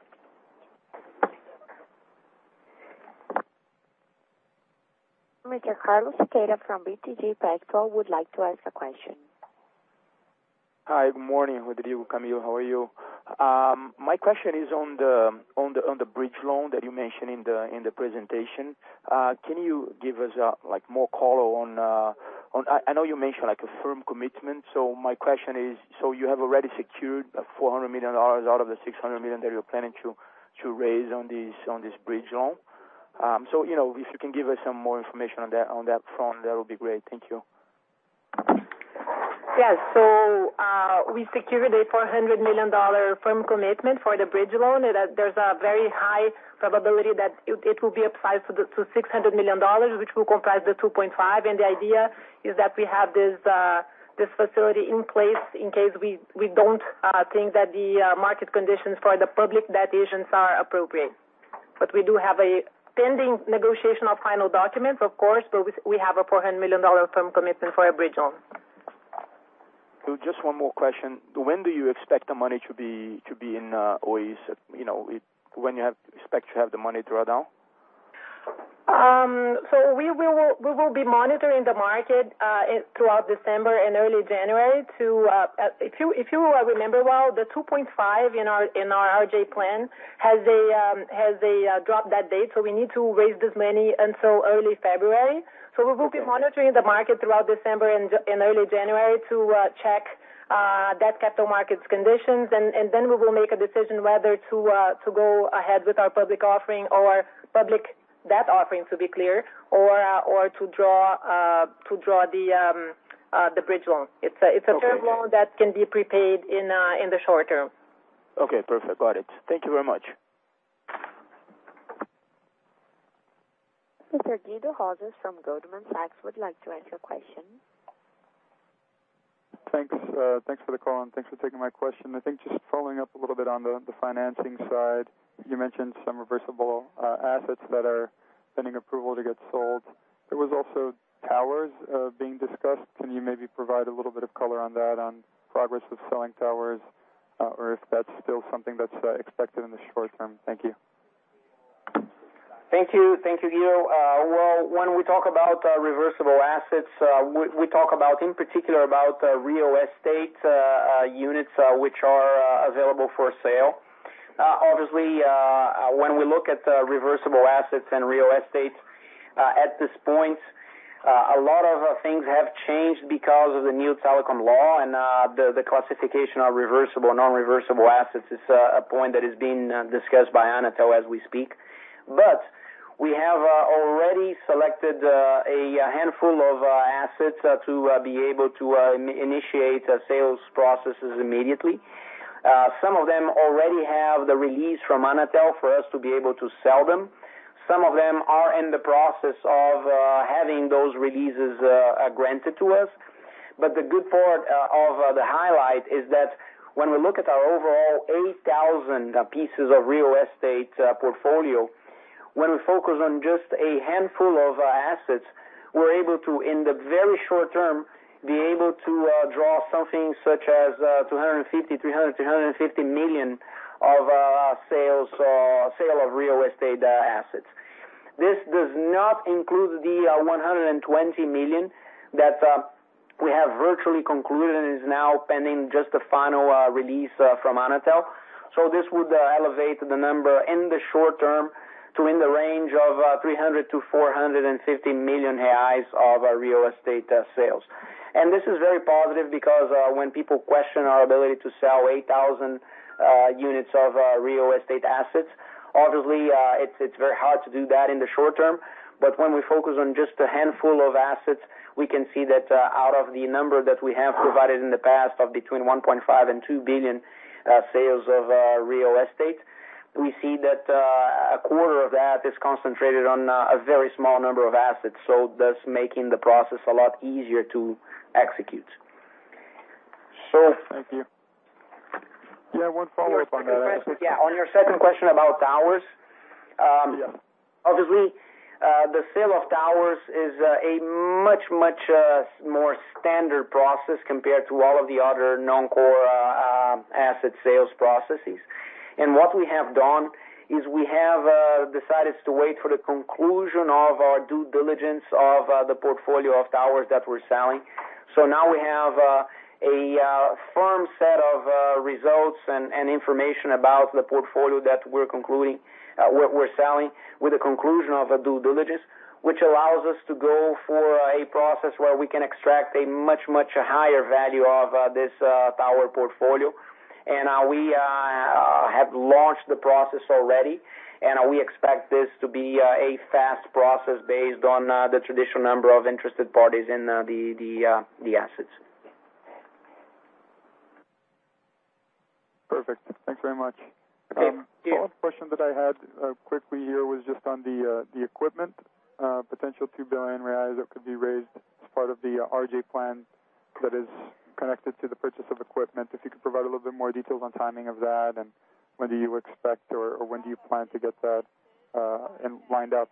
[SPEAKER 1] Mr. Carlos Sequeira from BTG Pactual would like to ask a question.
[SPEAKER 7] Hi, good morning, Rodrigo, Camille. How are you? My question is on the bridge loan that you mentioned in the presentation. Can you give us more color on I know you mentioned a firm commitment. My question is, so you have already secured $400 million out of the $600 million that you're planning to raise on this bridge loan. If you can give us some more information on that front, that would be great. Thank you.
[SPEAKER 3] Yes. We secured a $400 million firm commitment for the bridge loan. There's a very high probability that it will be applied to $600 million, which will comprise the 2.5. The idea is that we have this facility in place in case we don't think that the market conditions for the public debt agents are appropriate. We do have a pending negotiation of final documents, of course, but we have a $400 million firm commitment for a bridge loan.
[SPEAKER 7] Just one more question. When do you expect the money to be in Oi? When do you expect to have the money to draw down?
[SPEAKER 3] We will be monitoring the market throughout December and early January. If you remember well, the 2.5 in our RJ plan has a drop that date, so we need to raise this money until early February. We will be monitoring the market throughout December and early January to check that capital markets conditions, and then we will make a decision whether to go ahead with our public offering or public debt offering, to be clear, or to draw the bridge loan. It's a term loan that can be prepaid in the short term.
[SPEAKER 7] Okay, perfect. Got it. Thank you very much.
[SPEAKER 1] Mr. Guido Rosas from Goldman Sachs would like to ask a question.
[SPEAKER 8] Thanks for the call and thanks for taking my question. I think just following up a little bit on the financing side, you mentioned some reversible assets that are pending approval to get sold. There was also towers being discussed. Can you maybe provide a little bit of color on that, on progress with selling towers, or if that's still something that's expected in the short term? Thank you.
[SPEAKER 2] Thank you, Guido. Well, when we talk about reversible assets, we talk about, in particular, about real estate units which are available for sale. Obviously, when we look at reversible assets and real estate at this point, a lot of things have changed because of the new telecom law and, the classification of reversible and non-reversible assets is a point that is being discussed by Anatel as we speak. We have already selected a handful of assets to be able to initiate sales processes immediately. Some of them already have the release from Anatel for us to be able to sell them. Some of them are in the process of having those releases granted to us. The good part of the highlight is that when we look at our overall 8,000 pieces of real estate portfolio, when we focus on just a handful of assets, we're able to, in the very short term, be able to draw something such as 250 million, 300 million, 350 million of sale of real estate assets. This does not include the 120 million that we have virtually concluded and is now pending just the final release from Anatel. This would elevate the number in the short term to in the range of 300 million-450 million reais of real estate sales. This is very positive because when people question our ability to sell 8,000 units of real estate assets, obviously, it's very hard to do that in the short term. When we focus on just a handful of assets, we can see that out of the number that we have provided in the past of between 1.5 billion and 2 billion sales of real estate, we see that a quarter of that is concentrated on a very small number of assets, thus making the process a lot easier to execute.
[SPEAKER 8] Thank you. Yeah, one follow-up on that.
[SPEAKER 2] Yeah, on your second question about towers.
[SPEAKER 8] Yeah.
[SPEAKER 2] Obviously, the sale of towers is a much, much more standard process compared to all of the other non-core asset sales processes. What we have done is we have decided to wait for the conclusion of our due diligence of the portfolio of towers that we're selling. Now we have a firm set of results and information about the portfolio that we're concluding, what we're selling with the conclusion of a due diligence, which allows us to go for a process where we can extract a much, much higher value of this tower portfolio. We have launched the process already, and we expect this to be a fast process based on the traditional number of interested parties in the assets.
[SPEAKER 8] Perfect. Thanks very much.
[SPEAKER 2] Yeah.
[SPEAKER 8] The follow-up question that I had quickly here was just on the equipment, potential 2 billion reais that could be raised as part of the RJ plan that is connected to the purchase of equipment. If you could provide a little bit more details on timing of that and when do you expect, or when do you plan to get that lined up?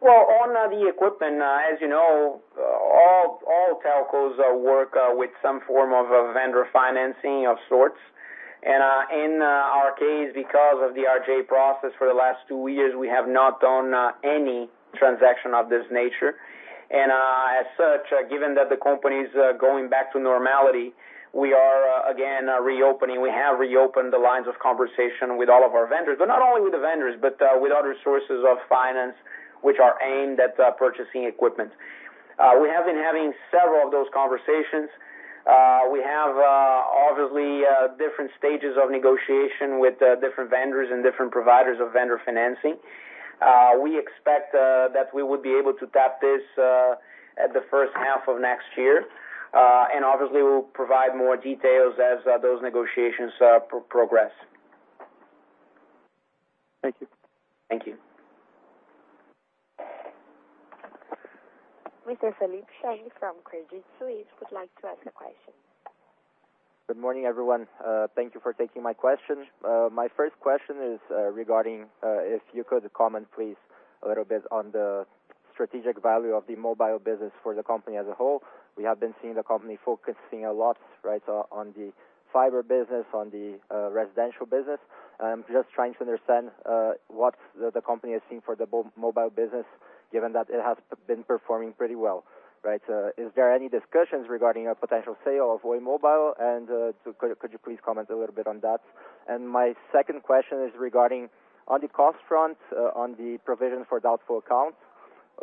[SPEAKER 2] Well, on the equipment, as you know, all telcos work with some form of vendor financing of sorts. In our case, because of the RJ process for the last two years, we have not done any transaction of this nature. As such, given that the company's going back to normality, we are again reopening. We have reopened the lines of conversation with all of our vendors, but not only with the vendors, but with other sources of finance, which are aimed at purchasing equipment. We have been having several of those conversations. We have obviously different stages of negotiation with different vendors and different providers of vendor financing. We expect that we would be able to tap this at the H1 of next year. Obviously, we'll provide more details as those negotiations progress.
[SPEAKER 8] Thank you.
[SPEAKER 2] Thank you.
[SPEAKER 1] Mr. Felipe Scheink from Credit Suisse would like to ask a question.
[SPEAKER 9] Good morning, everyone. Thank you for taking my question. My first question is regarding, if you could comment please a little bit on the strategic value of the mobile business for the company as a whole. We have been seeing the company focusing a lot on the fiber business, on the residential business. I'm just trying to understand what the company is seeing for the mobile business, given that it has been performing pretty well. Right. Is there any discussions regarding a potential sale of Oi mobile, and could you please comment a little bit on that? My second question is regarding on the cost front, on the provision for doubtful accounts.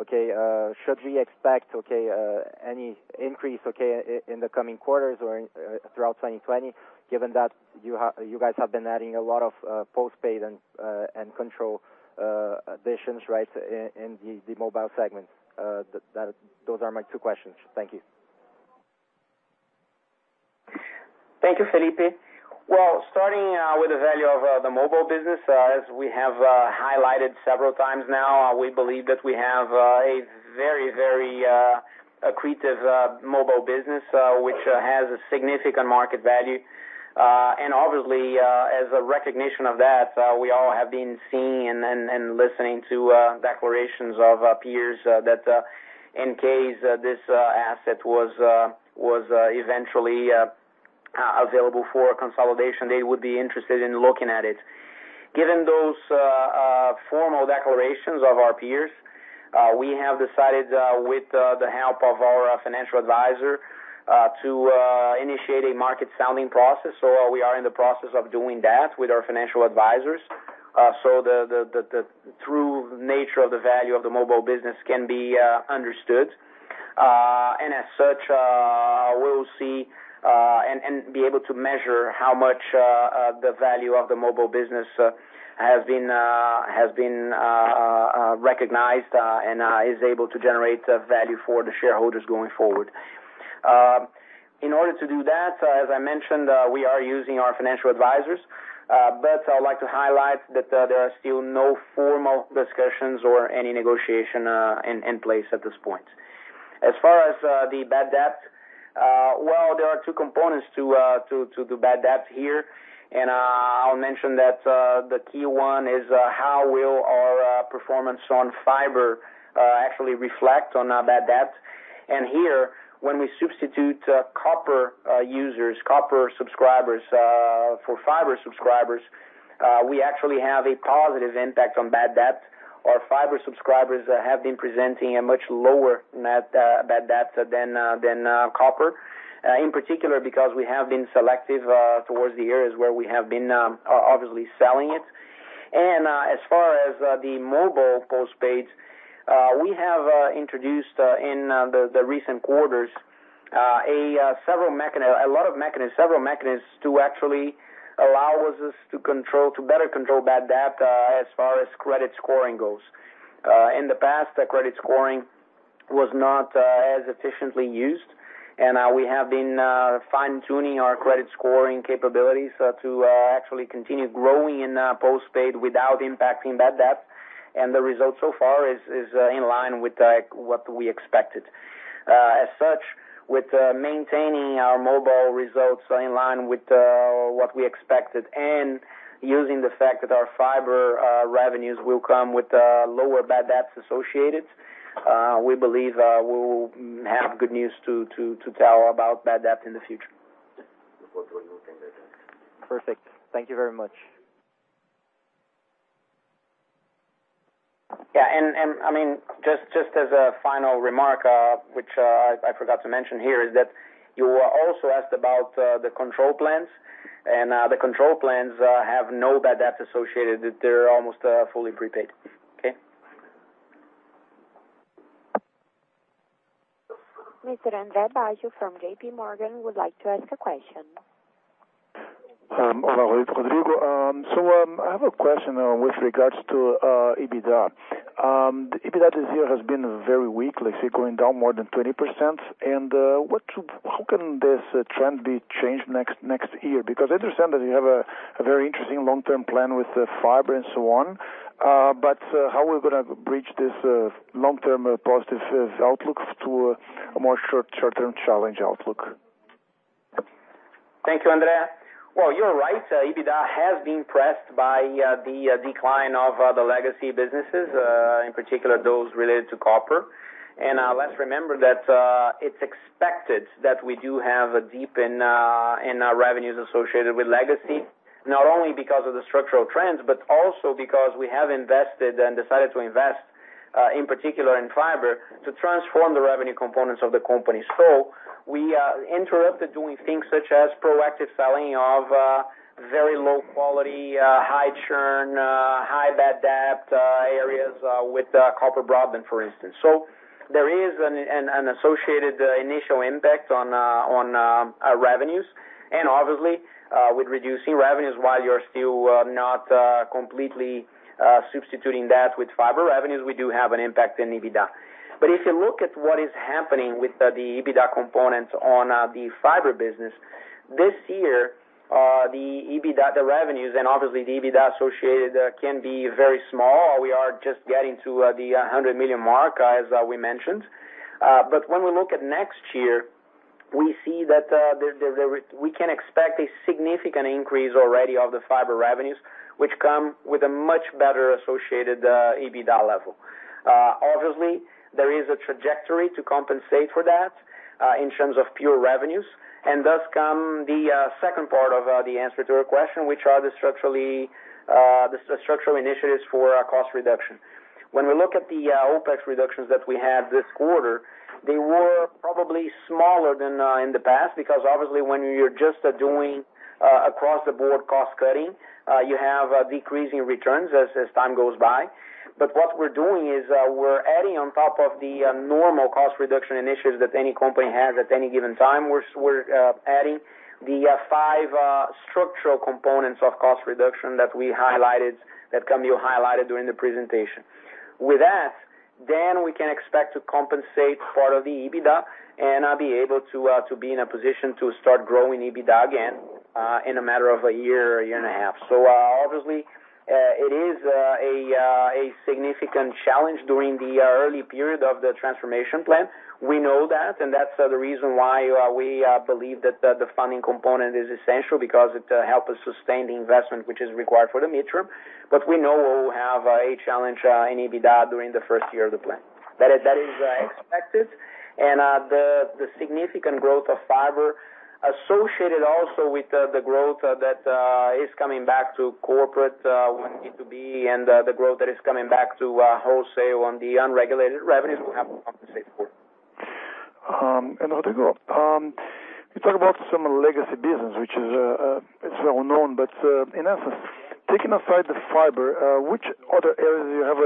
[SPEAKER 9] Okay. Should we expect any increase in the coming quarters or throughout 2020, given that you guys have been adding a lot of postpaid and control additions, right, in the mobile segment? Those are my two questions. Thank you.
[SPEAKER 2] Thank you, Felipe. Well, starting with the value of the mobile business, as we have highlighted several times now, we believe that we have a very, very accretive mobile business, which has a significant market value. Obviously, as a recognition of that, we all have been seeing and listening to declarations of peers that in case this asset was eventually available for consolidation, they would be interested in looking at it. Given those formal declarations of our peers, we have decided, with the help of our financial advisor, to initiate a market sounding process. We are in the process of doing that with our financial advisors. The true nature of the value of the mobile business can be understood. As such, we'll see and be able to measure how much the value of the mobile business has been recognized and is able to generate value for the shareholders going forward. In order to do that, as I mentioned, we are using our financial advisors. I'd like to highlight that there are still no formal discussions or any negotiation in place at this point. As far as the bad debt, well, there are two components to the bad debt here. I'll mention that the key one is how will our performance on fiber actually reflect on bad debt. Here when we substitute copper users, copper subscribers for fiber subscribers, we actually have a positive impact on bad debt. Our fiber subscribers have been presenting a much lower net bad debt than copper. In particular, because we have been selective towards the areas where we have been obviously selling it. As far as the mobile postpaid, we have introduced in the recent quarters a lot of mechanisms, several mechanisms to actually allow us to better control bad debt as far as credit scoring goes. In the past, credit scoring was not as efficiently used. We have been fine-tuning our credit scoring capabilities to actually continue growing in postpaid without impacting bad debt, and the result so far is in line with what we expected. As such, with maintaining our mobile results in line with what we expected and using the fact that our fiber revenues will come with lower bad debts associated, we believe we will have good news to tell about bad debt in the future.
[SPEAKER 9] Perfect. Thank you very much.
[SPEAKER 2] Yeah. Just as a final remark, which I forgot to mention here, is that you also asked about the control plans. The control plans have no bad debt associated. They're almost fully prepaid. Okay?
[SPEAKER 1] Mr. Andre Baggio from JPMorgan would like to ask a question.
[SPEAKER 10] Hola, Rodrigo. I have a question with regards to EBITDA. The EBITDA this year has been very weak. I see it going down more than 20%. How can this trend be changed next year? I understand that you have a very interesting long-term plan with fiber and so on. How are we going to bridge this long-term positive outlook to a more short-term challenge outlook?
[SPEAKER 2] Thank you, Andre. Well, you're right. EBITDA has been pressed by the decline of the legacy businesses, in particular, those related to copper. Let's remember that it's expected that we do have a dip in our revenues associated with legacy, not only because of the structural trends, but also because we have invested and decided to invest, in particular in fiber, to transform the revenue components of the company. We are interrupted doing things such as proactive selling of very low quality, high churn, high bad debt areas with copper broadband, for instance. There is an associated initial impact on our revenues. Obviously, with reducing revenues while you're still not completely substituting that with fiber revenues, we do have an impact in EBITDA. If you look at what is happening with the EBITDA components on the fiber business, this year, the EBITDA, the revenues, and obviously the EBITDA associated can be very small. We are just getting to the 100 million mark, as we mentioned. When we look at next year, we see that we can expect a significant increase already of the fiber revenues, which come with a much better associated EBITDA level. Obviously, there is a trajectory to compensate for that in terms of pure revenues, and thus come the second part of the answer to your question, which are the structural initiatives for our cost reduction. When we look at the OpEx reductions that we had this quarter, they were probably smaller than in the past, because obviously when you're just doing across the board cost-cutting, you have decreasing returns as time goes by. What we're doing is, we're adding on top of the normal cost reduction initiatives that any company has at any given time. We're adding the five structural components of cost reduction that Camille highlighted during the presentation. With that, we can expect to compensate part of the EBITDA and be able to be in a position to start growing EBITDA again, in a matter of a year and a half. Obviously, it is a significant challenge during the early period of the transformation plan. We know that, and that's the reason why we believe that the funding component is essential, because it help us sustain the investment which is required for the mid-term. We know we have a challenge in EBITDA during the first year of the plan. That is expected. The significant growth of fiber associated also with the growth that is coming back to corporate, with B2B, and the growth that is coming back to wholesale on the unregulated revenues we have to compensate for.
[SPEAKER 10] Rodrigo, you talk about some legacy business, which is well-known, but in essence, taking aside the fiber, which other areas do you have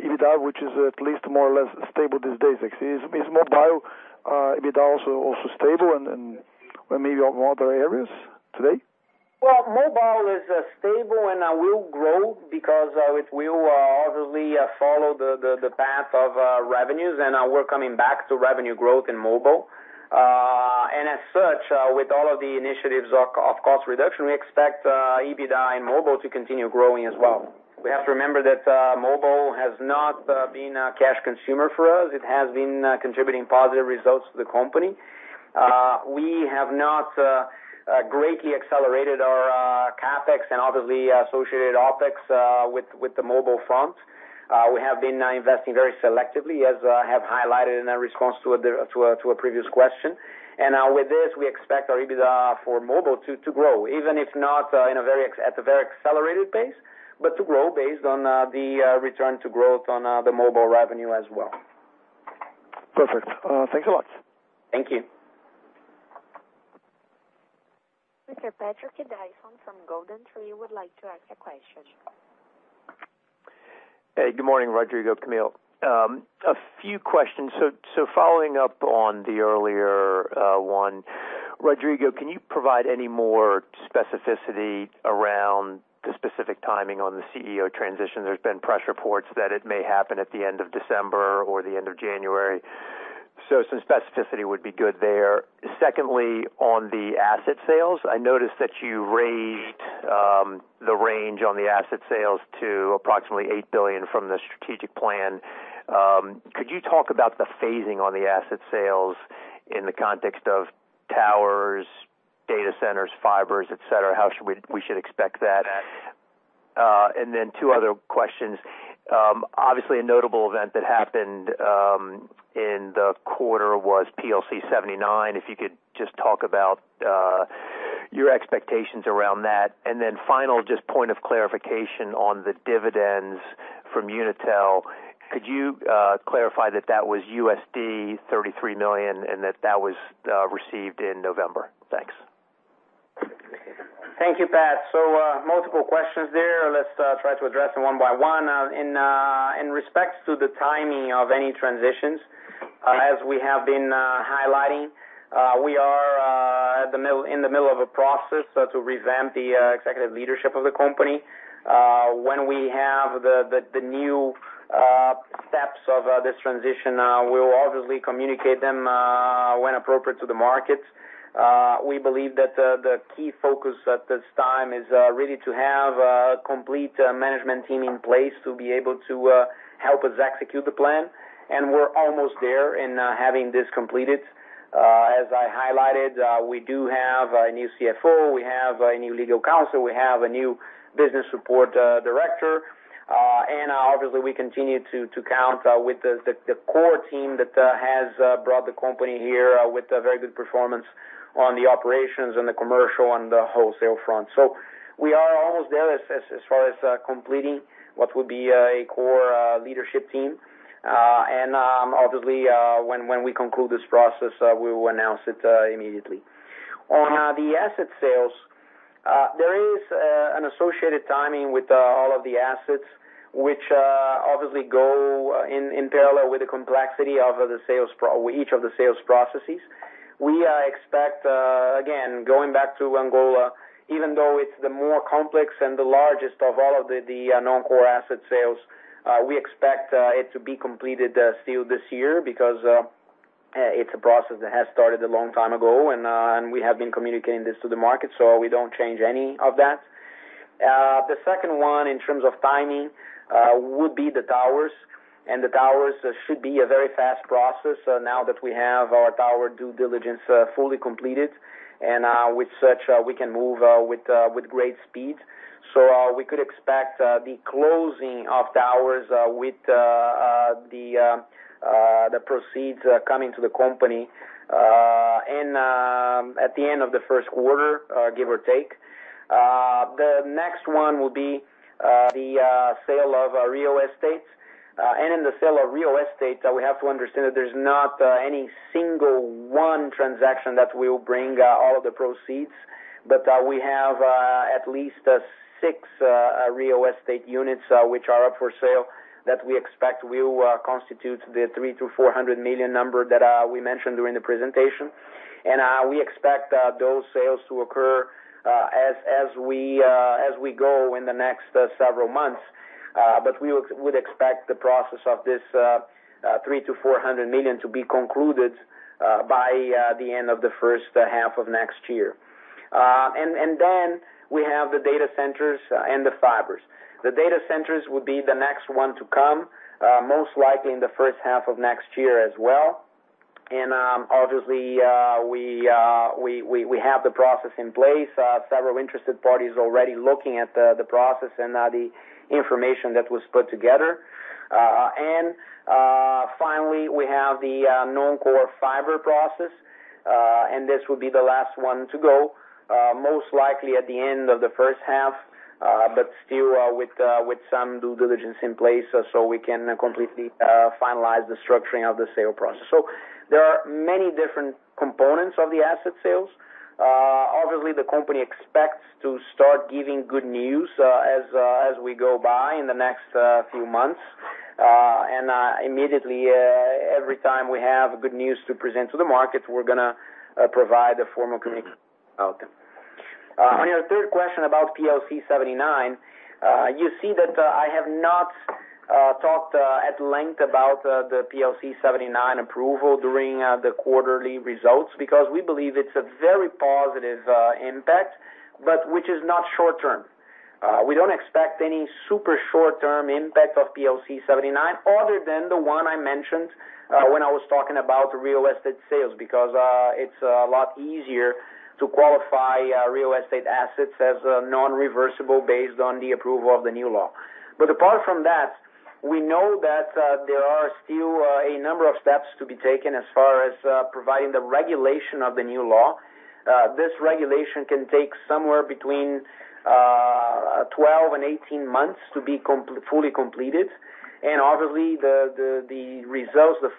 [SPEAKER 10] EBITDA, which is at least more or less stable these days? Is mobile EBITDA also stable and maybe on what other areas today?
[SPEAKER 2] Well, mobile is stable, and will grow because it will obviously follow the path of revenues, and we're coming back to revenue growth in mobile. As such, with all of the initiatives of cost reduction, we expect EBITDA in mobile to continue growing as well. We have to remember that mobile has not been a cash consumer for us. It has been contributing positive results to the company. We have not greatly accelerated our CapEx and obviously associated OpEx, with the mobile front. We have been investing very selectively, as I have highlighted in a response to a previous question. With this, we expect our EBITDA for mobile to grow, even if not at a very accelerated pace, but to grow based on the return to growth on the mobile revenue as well.
[SPEAKER 10] Perfect. Thanks a lot.
[SPEAKER 2] Thank you.
[SPEAKER 1] Mr. Patrick Dyson from GoldenTree would like to ask a question.
[SPEAKER 11] Hey, good morning, Rodrigo, Camille. A few questions. Following up on the earlier one, Rodrigo, can you provide any more specificity around the specific timing on the CEO transition? There has been press reports that it may happen at the end of December or the end of January. Some specificity would be good there. Secondly, on the asset sales, I noticed that you raised the range on the asset sales to approximately 8 billion from the strategic plan. Could you talk about the phasing on the asset sales in the context of towers, data centers, fibers, et cetera? How we should expect that? Two other questions. Obviously, a notable event that happened in the quarter was PLC 79. If you could just talk about your expectations around that. Final, just point of clarification on the dividends from Unitel. Could you clarify that that was $33 million and that that was received in November? Thanks.
[SPEAKER 2] Thank you, Pat. Multiple questions there. Let's try to address them one by one. In respect to the timing of any transitions, as we have been highlighting, we are in the middle of a process to revamp the executive leadership of the company. When we have the new steps of this transition, we will obviously communicate them when appropriate to the market. We believe that the key focus at this time is really to have a complete management team in place to be able to help us execute the plan. We're almost there in having this completed. As I highlighted, we do have a new CFO, we have a new legal counsel, we have a new business support director. Obviously, we continue to count with the core team that has brought the company here with a very good performance on the operations, on the commercial, on the wholesale front. We are almost there as far as completing what would be a core leadership team. Obviously, when we conclude this process, we will announce it immediately. On the asset sales, there is an associated timing with all of the assets which obviously go in parallel with the complexity of each of the sales processes. We expect, again, going back to Angola, even though it's the more complex and the largest of all of the non-core asset sales, we expect it to be completed still this year because it's a process that has started a long time ago, and we have been communicating this to the market. We don't change any of that. The second one in terms of timing would be the towers. The towers should be a very fast process now that we have our tower due diligence fully completed. With such, we can move with great speed. We could expect the closing of towers with the proceeds coming to the company at the end of the Q1, give or take. The next one will be the sale of real estate. In the sale of real estate, we have to understand that there's not any single one transaction that will bring all of the proceeds, but we have at least six real estate units which are up for sale that we expect will constitute the $300 million-$400 million number that we mentioned during the presentation. We expect those sales to occur as we go in the next several months. We would expect the process of this $300 million-$400 million to be concluded by the end of the H1 of next year. We have the data centers and the fibers. The data centers would be the next one to come, most likely in the H1 of next year as well. Obviously, we have the process in place. Several interested parties already looking at the process and the information that was put together. Finally, we have the non-core fiber process. This will be the last one to go, most likely at the end of the H1, but still with some due diligence in place so we can completely finalize the structuring of the sale process. There are many different components of the asset sales. Obviously, the company expects to start giving good news as we go by in the next few months. Immediately, every time we have good news to present to the market, we're going to provide a formal communication about them. On your third question about PLC 79, you see that I have not talked at length about the PLC 79 approval during the quarterly results, because we believe it's a very positive impact, but which is not short-term. We don't expect any super short-term impact of PLC 79 other than the one I mentioned when I was talking about real estate sales, because it's a lot easier to qualify real estate assets as non-reversible based on the approval of the new law. Apart from that, we know that there are still a number of steps to be taken as far as providing the regulation of the new law. This regulation can take somewhere between 12 and 18 months to be fully completed. Obviously, the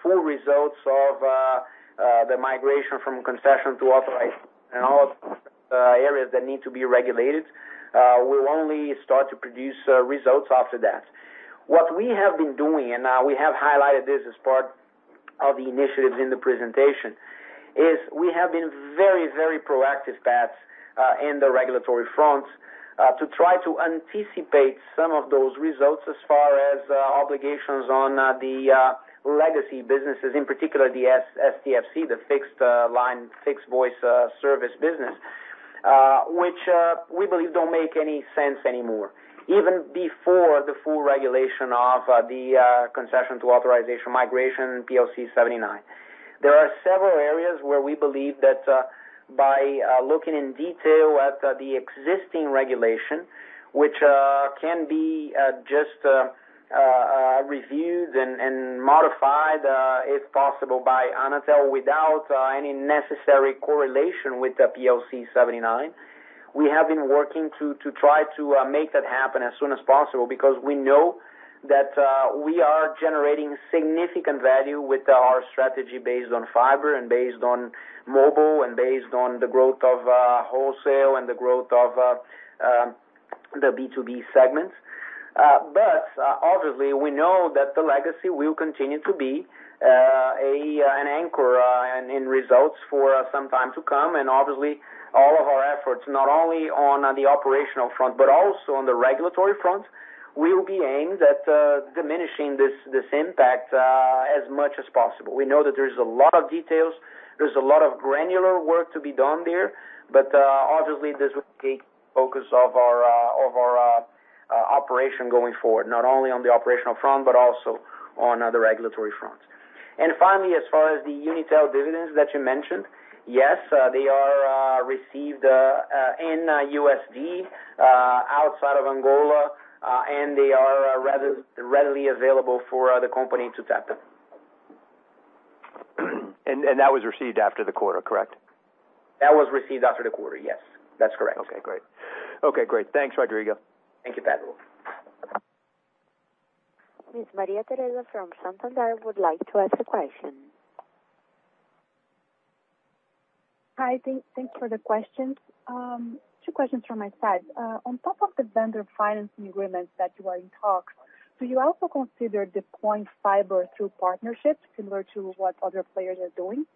[SPEAKER 2] full results of the migration from concession to authorization and all areas that need to be regulated will only start to produce results after that. What we have been doing, and we have highlighted this as part of the initiatives in the presentation, is we have been very proactive in the regulatory fronts to try to anticipate some of those results as far as obligations on the legacy businesses, in particular the STFC, the fixed voice service business, which we believe don't make any sense anymore, even before the full regulation of the concession to authorization migration, PLC 79. There are several areas where we believe that by looking in detail at the existing regulation, which can be just reviewed and modified, if possible, by Anatel without any necessary correlation with the PLC 79. We have been working to try to make that happen as soon as possible because we know that we are generating significant value with our strategy based on fiber and based on mobile and based on the growth of wholesale and the growth of the B2B segments. Obviously, we know that the legacy will continue to be an anchor in results for some time to come. Obviously all of our efforts, not only on the operational front, but also on the regulatory front, will be aimed at diminishing this impact as much as possible. We know that there's a lot of details, there's a lot of granular work to be done there, but obviously this will be a focus of our operation going forward, not only on the operational front, but also on the regulatory front. Finally, as far as the Unitel dividends that you mentioned, yes. They are received in USD, outside of Angola, and they are readily available for the company to tap in.
[SPEAKER 11] That was received after the quarter, correct?
[SPEAKER 2] That was received after the quarter, yes. That's correct.
[SPEAKER 11] Okay, great. Thanks, Rodrigo.
[SPEAKER 2] Thank you, Patrick.
[SPEAKER 1] Miss Maria Tereza from Santander would like to ask a question.
[SPEAKER 12] Hi, thanks for the questions. Two questions from my side. On top of the vendor financing agreements that you are in talks, do you also consider deploying fiber through partnerships similar to what other players are doing?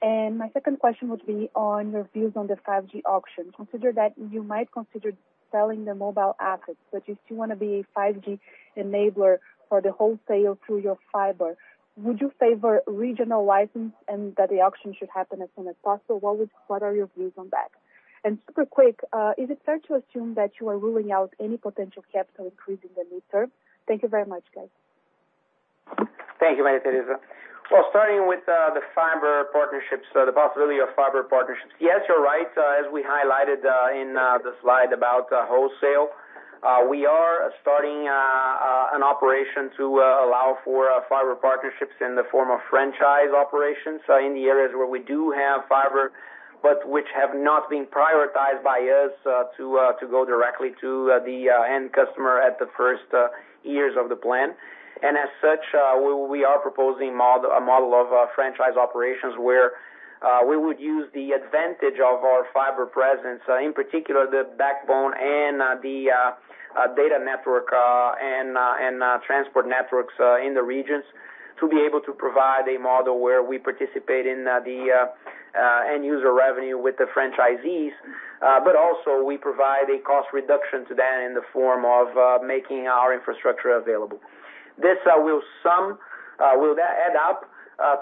[SPEAKER 12] My second question would be on your views on the 5G auction. Consider that you might consider selling the mobile assets, but you still want to be a 5G enabler for the wholesale through your fiber. Would you favor regional license and that the auction should happen as soon as possible? What are your views on that? Super quick, is it fair to assume that you are ruling out any potential capital increase in the near term? Thank you very much, guys.
[SPEAKER 2] Thank you, Maria Tereza. Starting with the fiber partnerships, the possibility of fiber partnerships. Yes, you're right. As we highlighted in the slide about wholesale, we are starting an operation to allow for fiber partnerships in the form of franchise operations in the areas where we do have fiber, but which have not been prioritized by us to go directly to the end customer at the first years of the plan. As such, we are proposing a model of franchise operations where we would use the advantage of our fiber presence, in particular, the backbone and the data network and transport networks in the regions to be able to provide a model where we participate in the end-user revenue with the franchisees. Also, we provide a cost reduction to them in the form of making our infrastructure available. This will add up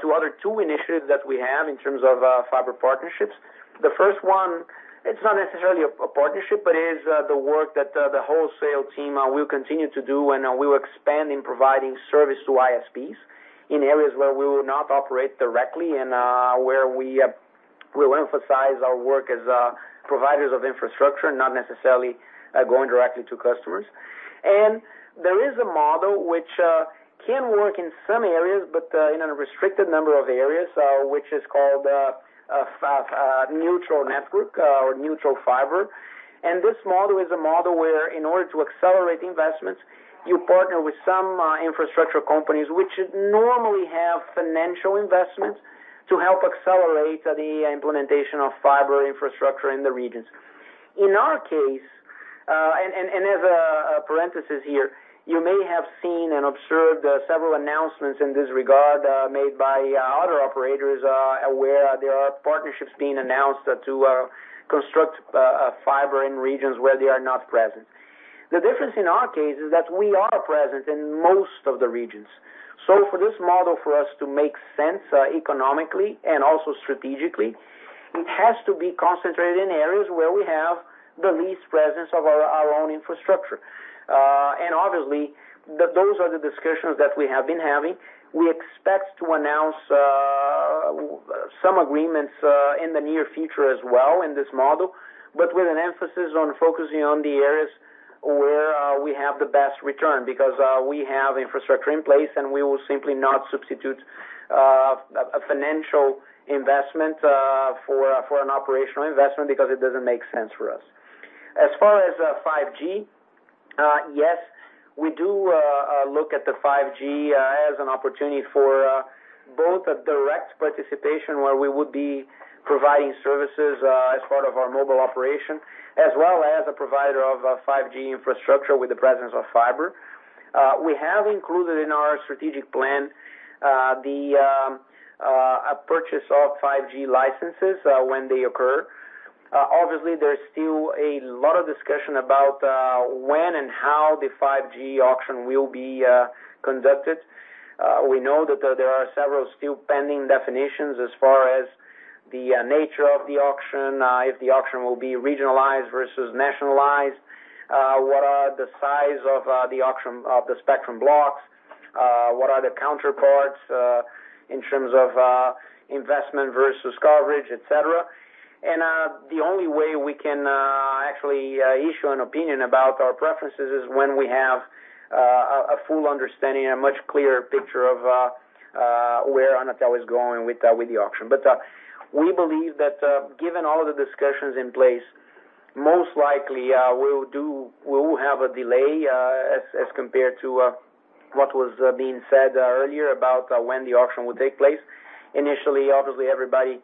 [SPEAKER 2] to other two initiatives that we have in terms of fiber partnerships. The first one, it's not necessarily a partnership, but it is the work that the wholesale team will continue to do. We will expand in providing service to ISPs in areas where we will not operate directly and where we will emphasize our work as providers of infrastructure, not necessarily going directly to customers. There is a model which can work in some areas, but in a restricted number of areas, which is called neutral network or neutral fiber. This model is a model where in order to accelerate investments, you partner with some infrastructure companies which normally have financial investments to help accelerate the implementation of fiber infrastructure in the regions. In our case, and as a parenthesis here, you may have seen and observed several announcements in this regard made by other operators, where there are partnerships being announced to construct fiber in regions where they are not present. The difference in our case is that we are present in most of the regions. For this model for us to make sense economically and also strategically, it has to be concentrated in areas where we have the least presence of our own infrastructure. Obviously those are the discussions that we have been having. We expect to announce some agreements in the near future as well in this model, but with an emphasis on focusing on the areas where we have the best return because we have infrastructure in place and we will simply not substitute a financial investment for an operational investment because it doesn't make sense for us. As far as 5G, yes, we do look at the 5G as an opportunity for both a direct participation where we would be providing services as part of our mobile operation, as well as a provider of 5G infrastructure with the presence of fiber. We have included in our strategic plan the purchase of 5G licenses when they occur. Obviously, there's still a lot of discussion about when and how the 5G auction will be conducted. We know that there are several still pending definitions as far as the nature of the auction, if the auction will be regionalized versus nationalized. What are the size of the spectrum blocks? What are the counterparts in terms of investment versus coverage, et cetera? The only way we can actually issue an opinion about our preferences is when we have a full understanding and a much clearer picture of where Anatel is going with the auction. We believe that given all the discussions in place, most likely, we will have a delay as compared to what was being said earlier about when the auction would take place. Initially, obviously, everybody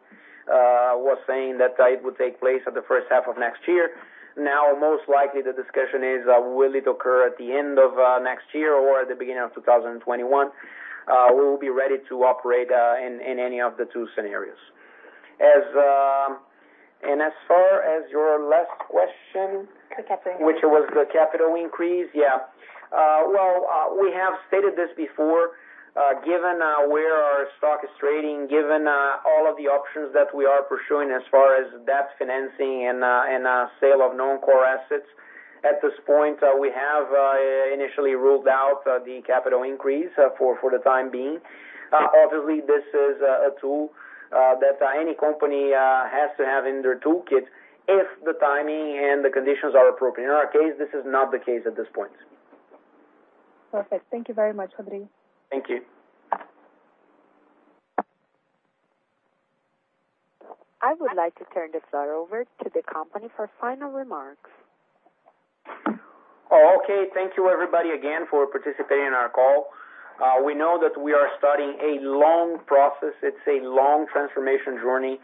[SPEAKER 2] was saying that it would take place at the H1 of next year. Now, most likely the discussion is will it occur at the end of next year or at the beginning of 2021? We will be ready to operate in any of the two scenarios. As far as your last question.
[SPEAKER 12] The capital increase.
[SPEAKER 2] which was the capital increase. Yeah. Well, we have stated this before, given where our stock is trading, given all of the options that we are pursuing as far as debt financing and sale of non-core assets, at this point, we have initially ruled out the capital increase for the time being. Obviously, this is a tool that any company has to have in their toolkit if the timing and the conditions are appropriate. In our case, this is not the case at this point.
[SPEAKER 12] Perfect. Thank you very much, Rodrigo.
[SPEAKER 2] Thank you.
[SPEAKER 1] I would like to turn the floor over to the company for final remarks.
[SPEAKER 2] Okay. Thank you everybody again for participating in our call. We know that we are starting a long process. It's a long transformation journey.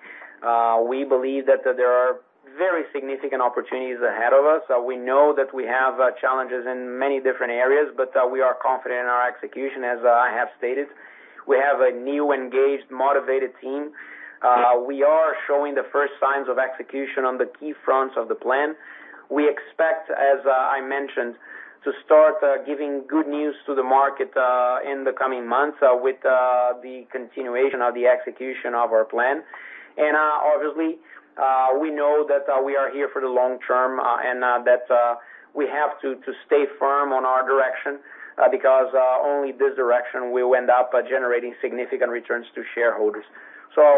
[SPEAKER 2] We believe that there are very significant opportunities ahead of us. We know that we have challenges in many different areas, but we are confident in our execution, as I have stated. We have a new, engaged, motivated team. We are showing the first signs of execution on the key fronts of the plan. We expect, as I mentioned, to start giving good news to the market in the coming months with the continuation of the execution of our plan. Obviously, we know that we are here for the long term and that we have to stay firm on our direction because only this direction will end up generating significant returns to shareholders.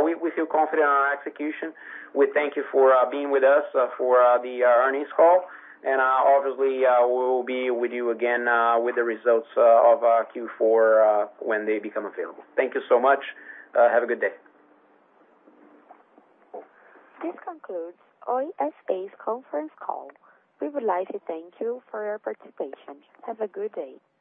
[SPEAKER 2] We feel confident on our execution. We thank you for being with us for the earnings call. Obviously, we will be with you again with the results of Q4 when they become available. Thank you so much. Have a good day.
[SPEAKER 1] This concludes Oi S.A.'s conference call. We would like to thank you for your participation. Have a good day.